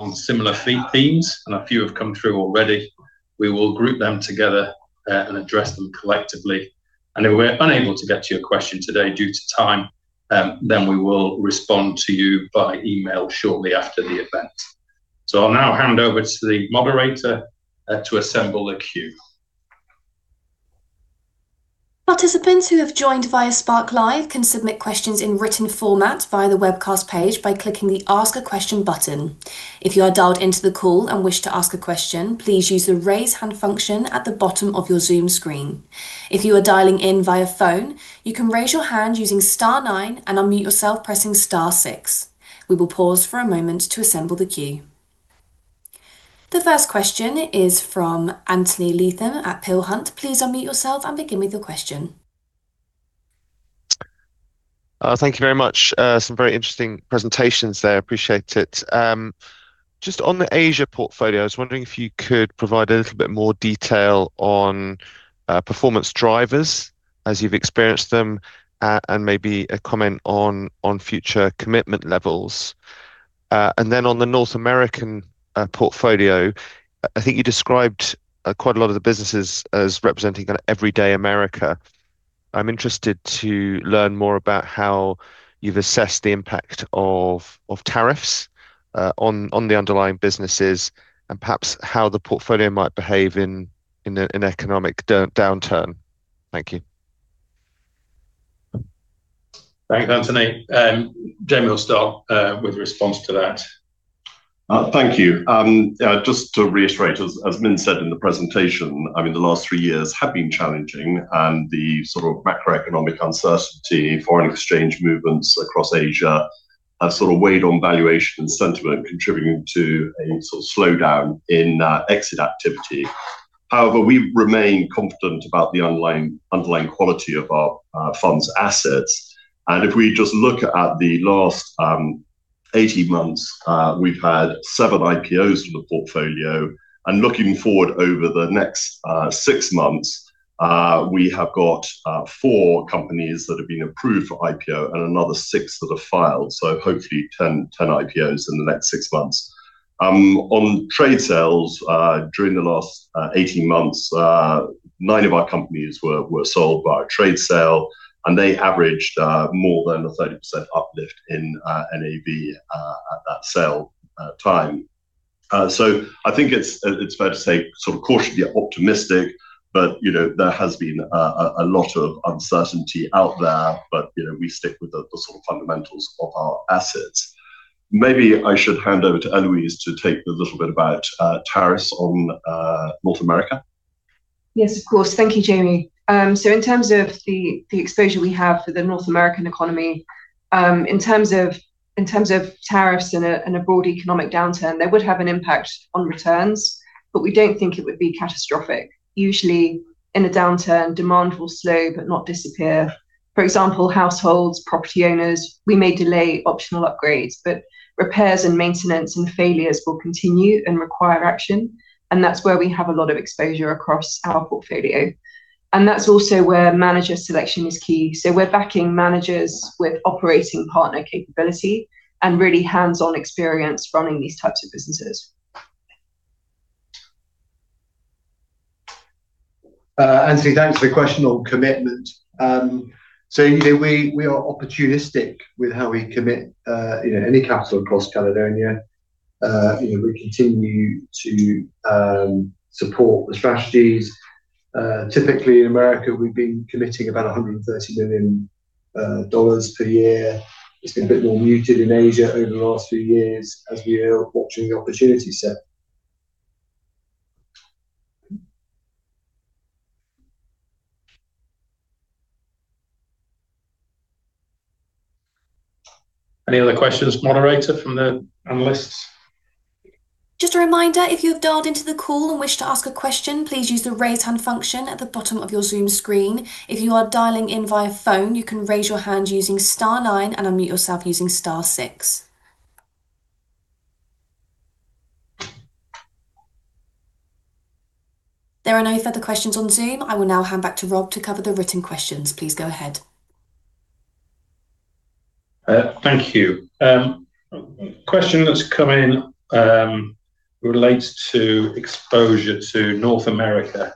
On similar themes, and a few have come through already, we will group them together and address them collectively. If we're unable to get to your question today due to time, then we will respond to you by email shortly after the event. I'll now hand over to the moderator to assemble a queue. Participants who have joined via SparkLive can submit questions in written format via the webcast page by clicking the Ask a Question button. If you are dialed into the call and wish to ask a question, please use the raise hand function at the bottom of your Zoom screen. If you are dialing in via phone, you can raise your hand using star nine and unmute yourself pressing star six. We will pause for a moment to assemble the queue. The first question is from Anthony Leatham at Peel Hunt. Please unmute yourself and begin with your question. Thank you very much. Some very interesting presentations there. Appreciate it. Just on the Asia portfolio, I was wondering if you could provide a little bit more detail on performance drivers as you've experienced them and maybe a comment on future commitment levels. And then on the North American portfolio, I think you described quite a lot of the businesses as representing kind of everyday America. I'm interested to learn more about how you've assessed the impact of tariffs on the underlying businesses and perhaps how the portfolio might behave in an economic downturn. Thank you. Thanks, Anthony. Jamie will start with a response to that. Thank you. Just to reiterate, as Min said in the presentation, I mean, the last three years have been challenging, and the sort of macroeconomic uncertainty, foreign exchange movements across Asia have sort of weighed on valuation and sentiment, contributing to a sort of slowdown in exit activity. However, we remain confident about the underlying quality of our funds assets. And if we just look at the last 18 months, we've had seven IPOs in the portfolio. And looking forward over the next six months, we have got four companies that have been approved for IPO and another six that are filed. So hopefully 10 IPOs in the next six months. On trade sales, during the last 18 months, nine of our companies were sold via trade sale, and they averaged more than a 30% uplift in NAV at that sale time. So I think it's fair to say sort of cautiously optimistic, but there has been a lot of uncertainty out there, but we stick with the sort of fundamentals of our assets. Maybe I should hand over to Eloise to take a little bit about tariffs on North America. Yes, of course. Thank you, Jamie. So in terms of the exposure we have for the North American economy, in terms of tariffs and a broad economic downturn, they would have an impact on returns, but we don't think it would be catastrophic. Usually, in a downturn, demand will slow but not disappear. For example, households, property owners, we may delay optional upgrades, but repairs and maintenance and failures will continue and require action, and that's where we have a lot of exposure across our portfolio. And that's also where manager selection is key. So we're backing managers with operating partner capability and really hands-on experience running these types of businesses. Anthony, thanks for the question on commitment. So we are opportunistic with how we commit any capital across Caledonia. We continue to support the strategies. Typically, in America, we've been committing about $130 million per year. It's been a bit more muted in Asia over the last few years as we are watching the opportunity set. Any other questions, moderator, from the analysts? Just a reminder, if you have dialed into the call and wish to ask a question, please use the raise hand function at the bottom of your Zoom screen. If you are dialing in via phone, you can raise your hand using star nine and unmute yourself using star six. There are no further questions on Zoom. I will now hand back to Rob to cover the written questions. Please go ahead. Thank you. Question that's come in relates to exposure to North America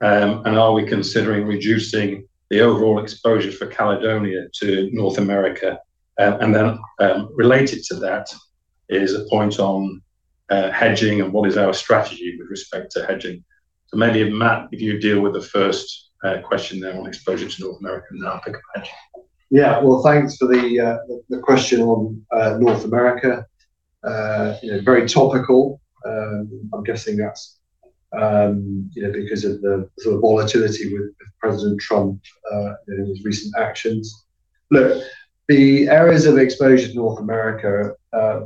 and are we considering reducing the overall exposure for Caledonia to North America? And then related to that is a point on hedging and what is our strategy with respect to hedging. So maybe, Mat, if you deal with the first question there on exposure to North America and then I'll pick up hedging. Yeah, well, thanks for the question on North America. Very topical. I'm guessing that's because of the sort of volatility with President Trump and his recent actions. Look, the areas of exposure to North America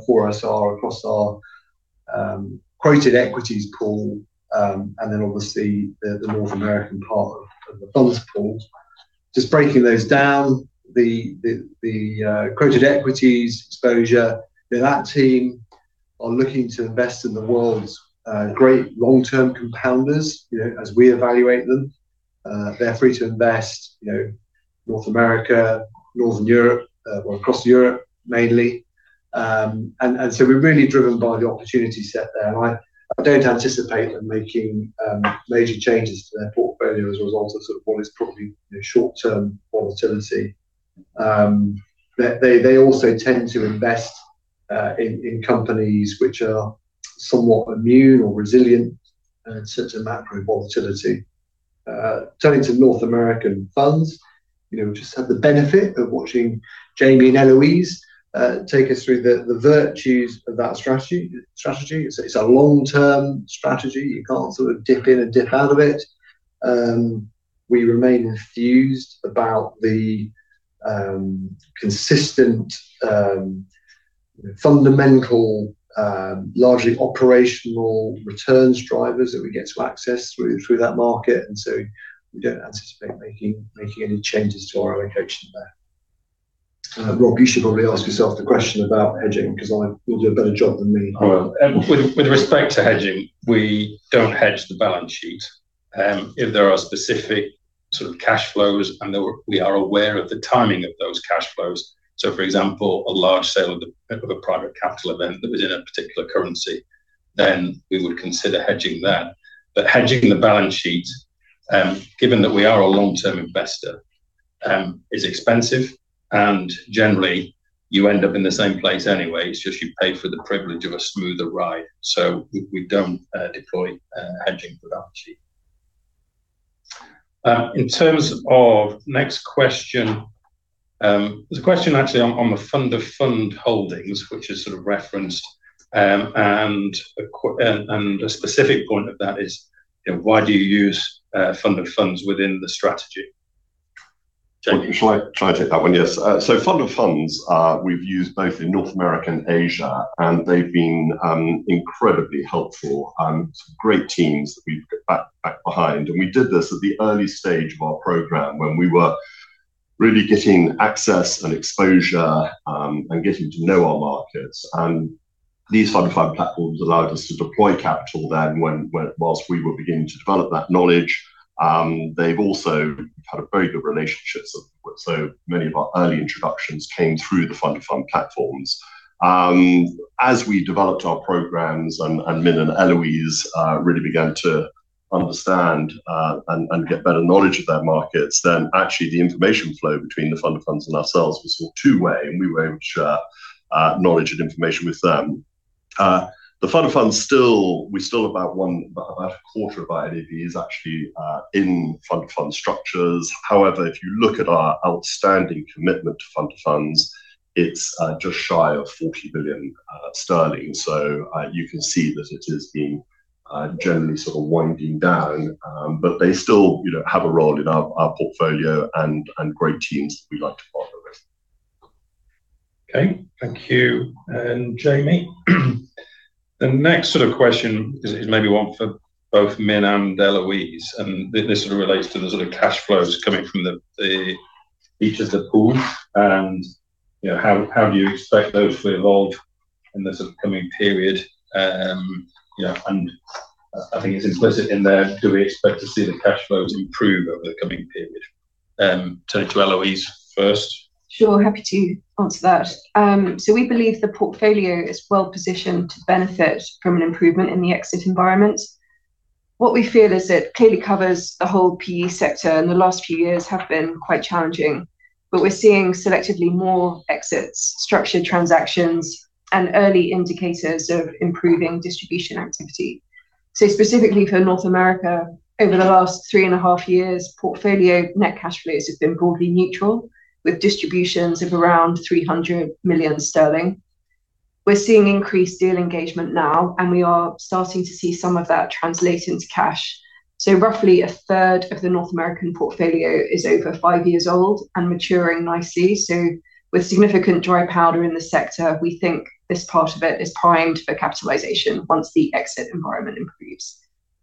for us are across our quoted equities pool and then obviously the North American part of the funds pool. Just breaking those down, the quoted equities exposure, that team are looking to invest in the world's great long-term compounders as we evaluate them. They're free to invest North America, Northern Europe, or across Europe mainly. And so we're really driven by the opportunity set there. I don't anticipate them making major changes to their portfolio as a result of sort of what is probably short-term volatility. They also tend to invest in companies which are somewhat immune or resilient to macro volatility. Turning to North American funds, we just have the benefit of watching Jamie and Eloise take us through the virtues of that strategy. It's a long-term strategy. You can't sort of dip in and dip out of it. We remain enthused about the consistent fundamental, largely operational returns drivers that we get to access through that market. And so we don't anticipate making any changes to our allocation there. Rob, you should probably ask yourself the question about hedging because you'll do a better job than me. With respect to hedging, we don't hedge the balance sheet. If there are specific sort of cash flows and we are aware of the timing of those cash flows, so for example, a large sale of a private capital event that was in a particular currency, then we would consider hedging that. But hedging the balance sheet, given that we are a long-term investor, is expensive. And generally, you end up in the same place anyway. It's just you pay for the privilege of a smoother ride. So we don't deploy hedging for the balance sheet. In terms of next question, there's a question actually on the fund of fund holdings, which is sort of referenced. And a specific point of that is, why do you use fund of funds within the strategy? Shall I take that one? Yes. So fund of funds, we've used both in North America and Asia, and they've been incredibly helpful. Great teams that we've got back behind. We did this at the early stage of our program when we were really getting access and exposure and getting to know our markets. And these fund of fund platforms allowed us to deploy capital then while we were beginning to develop that knowledge. They've also had very good relationships. So many of our early introductions came through the fund of fund platforms. As we developed our programs and Min and Eloise really began to understand and get better knowledge of their markets, then actually the information flow between the fund of funds and ourselves was sort of two-way, and we were able to share knowledge and information with them. The fund of funds still, we still have about a quarter of our NAV is actually in fund of fund structures. However, if you look at our outstanding commitment to fund of funds, it's just shy of 40 million sterling. So you can see that it is being generally sort of winding down, but they still have a role in our portfolio and great teams that we like to partner with. Okay. Thank you. And Jamie, the next sort of question is maybe one for both Min and Eloise. And this sort of relates to the sort of cash flows coming from each of the pools. And how do you expect those to evolve in this upcoming period? And I think it's implicit in there, do we expect to see the cash flows improve over the coming period? Turning to Eloise first. Sure. Happy to answer that. So we believe the portfolio is well positioned to benefit from an improvement in the exit environment. What we feel is it clearly covers the whole PE sector, and the last few years have been quite challenging. But we're seeing selectively more exits, structured transactions, and early indicators of improving distribution activity. So specifically for North America, over the last 3.5 years, portfolio net cash flows have been broadly neutral with distributions of around 300 million sterling. We're seeing increased deal engagement now, and we are starting to see some of that translate into cash. So roughly a third of the North American portfolio is over five years old and maturing nicely. So with significant dry powder in the sector, we think this part of it is primed for capitalization once the exit environment improves.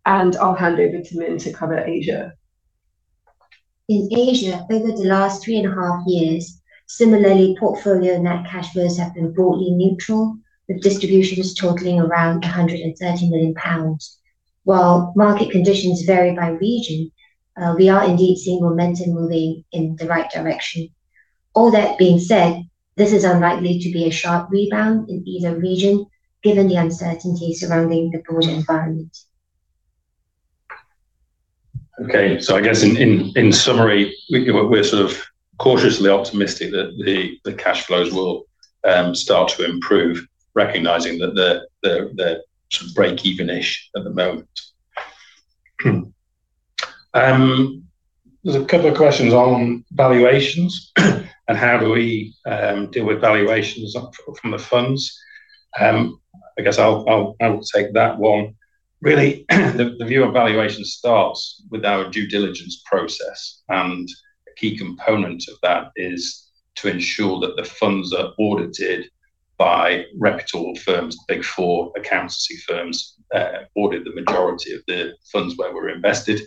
And I'll hand over to Min Ong to cover Asia. In Asia, over the last three and a half years, similarly, portfolio net cash flows have been broadly neutral with distributions totaling around 130 million pounds. While market conditions vary by region, we are indeed seeing momentum moving in the right direction. All that being said, this is unlikely to be a sharp rebound in either region given the uncertainty surrounding the broader environment. Okay. So I guess in summary, we're sort of cautiously optimistic that the cash flows will start to improve, recognizing that they're sort of break-even-ish at the moment. There's a couple of questions on valuations and how do we deal with valuations from the funds. I guess I'll take that one. Really, the view of valuation starts with our due diligence process. A key component of that is to ensure that the funds are audited by reputable firms, Big Four accounting firms that audit the majority of the funds where we're invested.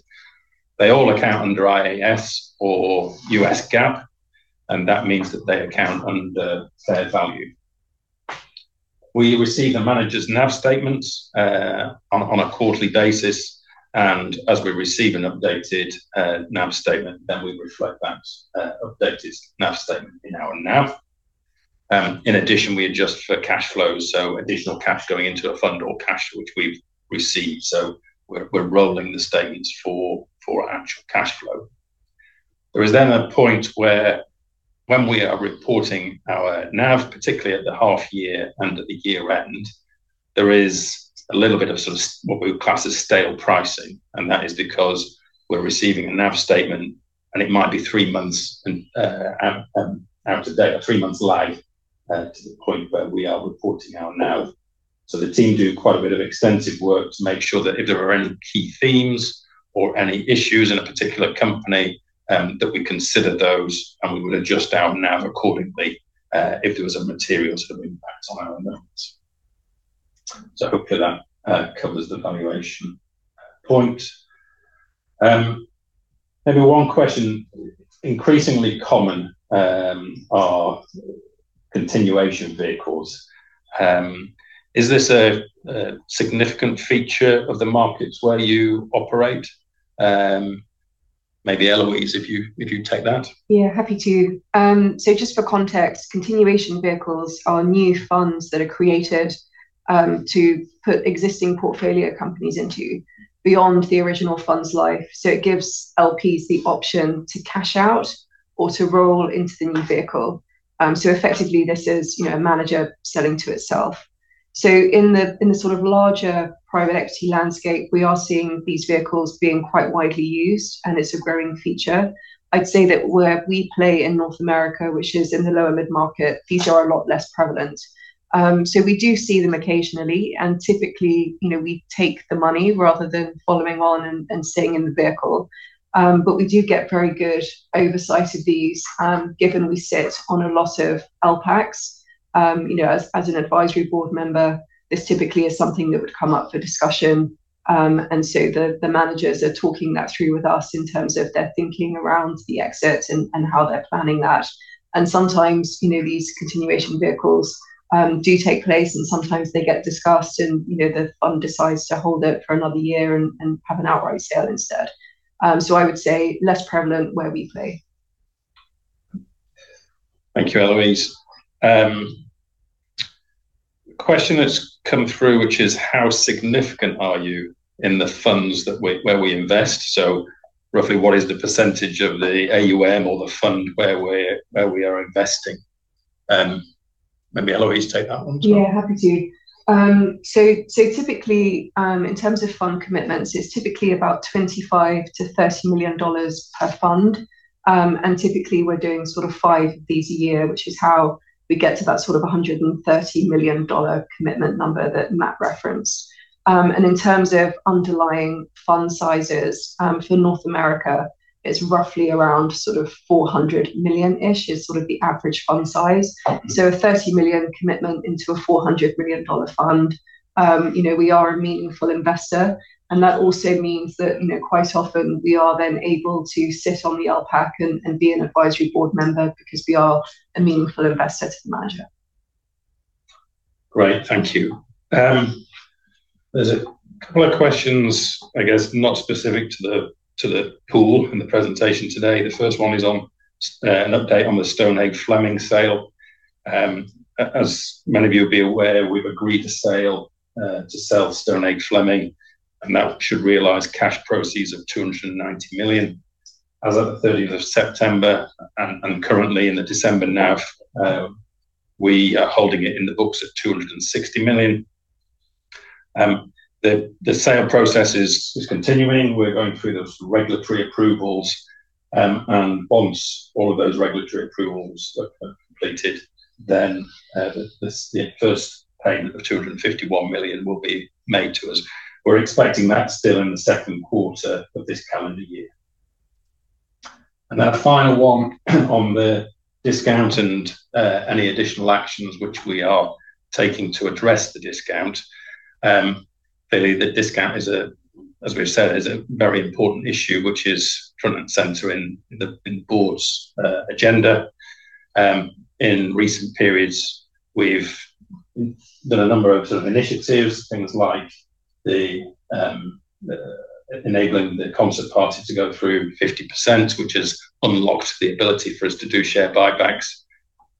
They all account under IAS or U.S. GAAP, and that means that they account under fair value. We receive the manager's NAV statements on a quarterly basis. And as we receive an updated NAV statement, then we reflect that updated NAV statement in our NAV. In addition, we adjust for cash flows, so additional cash going into a fund or cash which we've received. So we're rolling the statements for actual cash flow. There is then a point where when we are reporting our NAV, particularly at the half year and at the year end, there is a little bit of sort of what we would class as stale pricing. That is because we're receiving a NAV statement, and it might be three months out of date, three months lagged to the point where we are reporting our NAV. So the team do quite a bit of extensive work to make sure that if there are any key themes or any issues in a particular company, that we consider those and we would adjust our NAV accordingly if there was a material sort of impact on our investments. So hopefully that covers the valuation point. Maybe one question, increasingly common are continuation vehicles. Is this a significant feature of the markets where you operate? Maybe Eloise, if you take that. Yeah, happy to. So just for context, continuation vehicles are new funds that are created to put existing portfolio companies into beyond the original fund's life. So it gives LPs the option to cash out or to roll into the new vehicle. So effectively, this is a manager selling to itself. So in the sort of larger private equity landscape, we are seeing these vehicles being quite widely used, and it's a growing feature. I'd say that where we play in North America, which is in the lower mid-market, these are a lot less prevalent. So we do see them occasionally, and typically we take the money rather than following on and staying in the vehicle. But we do get very good oversight of these given we sit on a lot of LPACs. As an advisory board member, this typically is something that would come up for discussion. And so the managers are talking that through with us in terms of their thinking around the exits and how they're planning that. Sometimes these continuation vehicles do take place, and sometimes they get discussed and the fund decides to hold it for another year and have an outright sale instead. So I would say less prevalent where we play. Thank you, Eloise. Question that's come through, which is how significant are you in the funds where we invest? So roughly what is the percentage of the AUM or the fund where we are investing? Maybe Eloise, take that one as well. Yeah, happy to. So typically, in terms of fund commitments, it's typically about $25 million-$30 million per fund. And typically, we're doing sort of 5 of these a year, which is how we get to that sort of $130 million commitment number that Mat referenced. In terms of underlying fund sizes for North America, it's roughly around sort of $400 million-ish is sort of the average fund size. So a $30 million commitment into a $400 million fund, we are a meaningful investor. And that also means that quite often we are then able to sit on the LPAC and be an advisory board member because we are a meaningful investor to the manager. Great. Thank you. There's a couple of questions, I guess, not specific to the pool and the presentation today. The first one is an update on the Stonehage Fleming sale. As many of you will be aware, we've agreed to sell Stonehage Fleming, and that should realize cash proceeds of 290 million as of the 30th of September. And currently in the December NAV, we are holding it in the books at 260 million. The sale process is continuing. We're going through those regulatory approvals. Once all of those regulatory approvals are completed, then the first payment of 251 million will be made to us. We're expecting that still in the second quarter of this calendar year. That final one on the discount and any additional actions which we are taking to address the discount. Clearly, the discount, as we've said, is a very important issue which is front and center in the board's agenda. In recent periods, we've done a number of sort of initiatives, things like enabling the Concert Party to go through 50%, which has unlocked the ability for us to do share buybacks.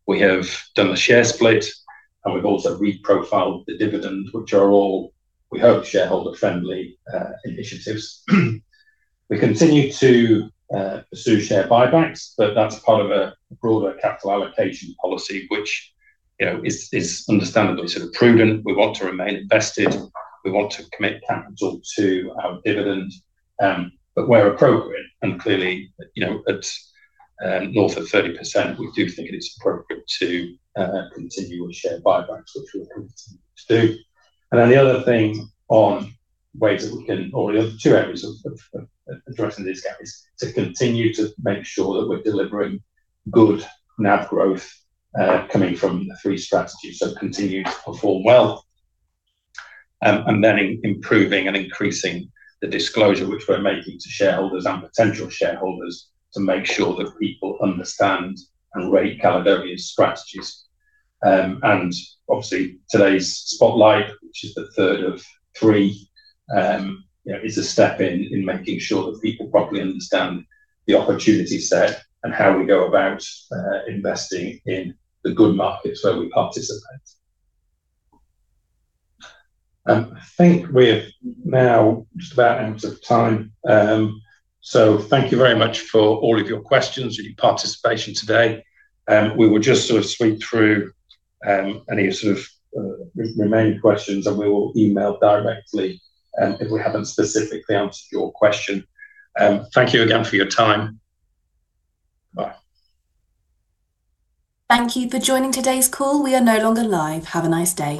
We have done the share split, and we've also reprofiled the dividend, which are all, we hope, shareholder-friendly initiatives. We continue to pursue share buybacks, but that's part of a broader capital allocation policy, which is understandably sort of prudent. We want to remain invested. We want to commit capital to our dividend. But where appropriate, and clearly at north of 30%, we do think it is appropriate to continue with share buybacks, which we're committed to do. And then the other thing on ways that we can, or the other two areas of addressing this gap is to continue to make sure that we're delivering good NAV growth coming from the three strategies, so continue to perform well. And then improving and increasing the disclosure which we're making to shareholders and potential shareholders to make sure that people understand and rate Caledonia's strategies. Obviously, today's spotlight, which is the third of three, is a step in making sure that people properly understand the opportunity set and how we go about investing in the good markets where we participate. I think we have now just about out of time. So thank you very much for all of your questions and your participation today. We will just sort of sweep through any sort of remaining questions, and we will email directly if we haven't specifically answered your question. Thank you again for your time. Bye. Thank you for joining today's call. We are no longer live. Have a nice day.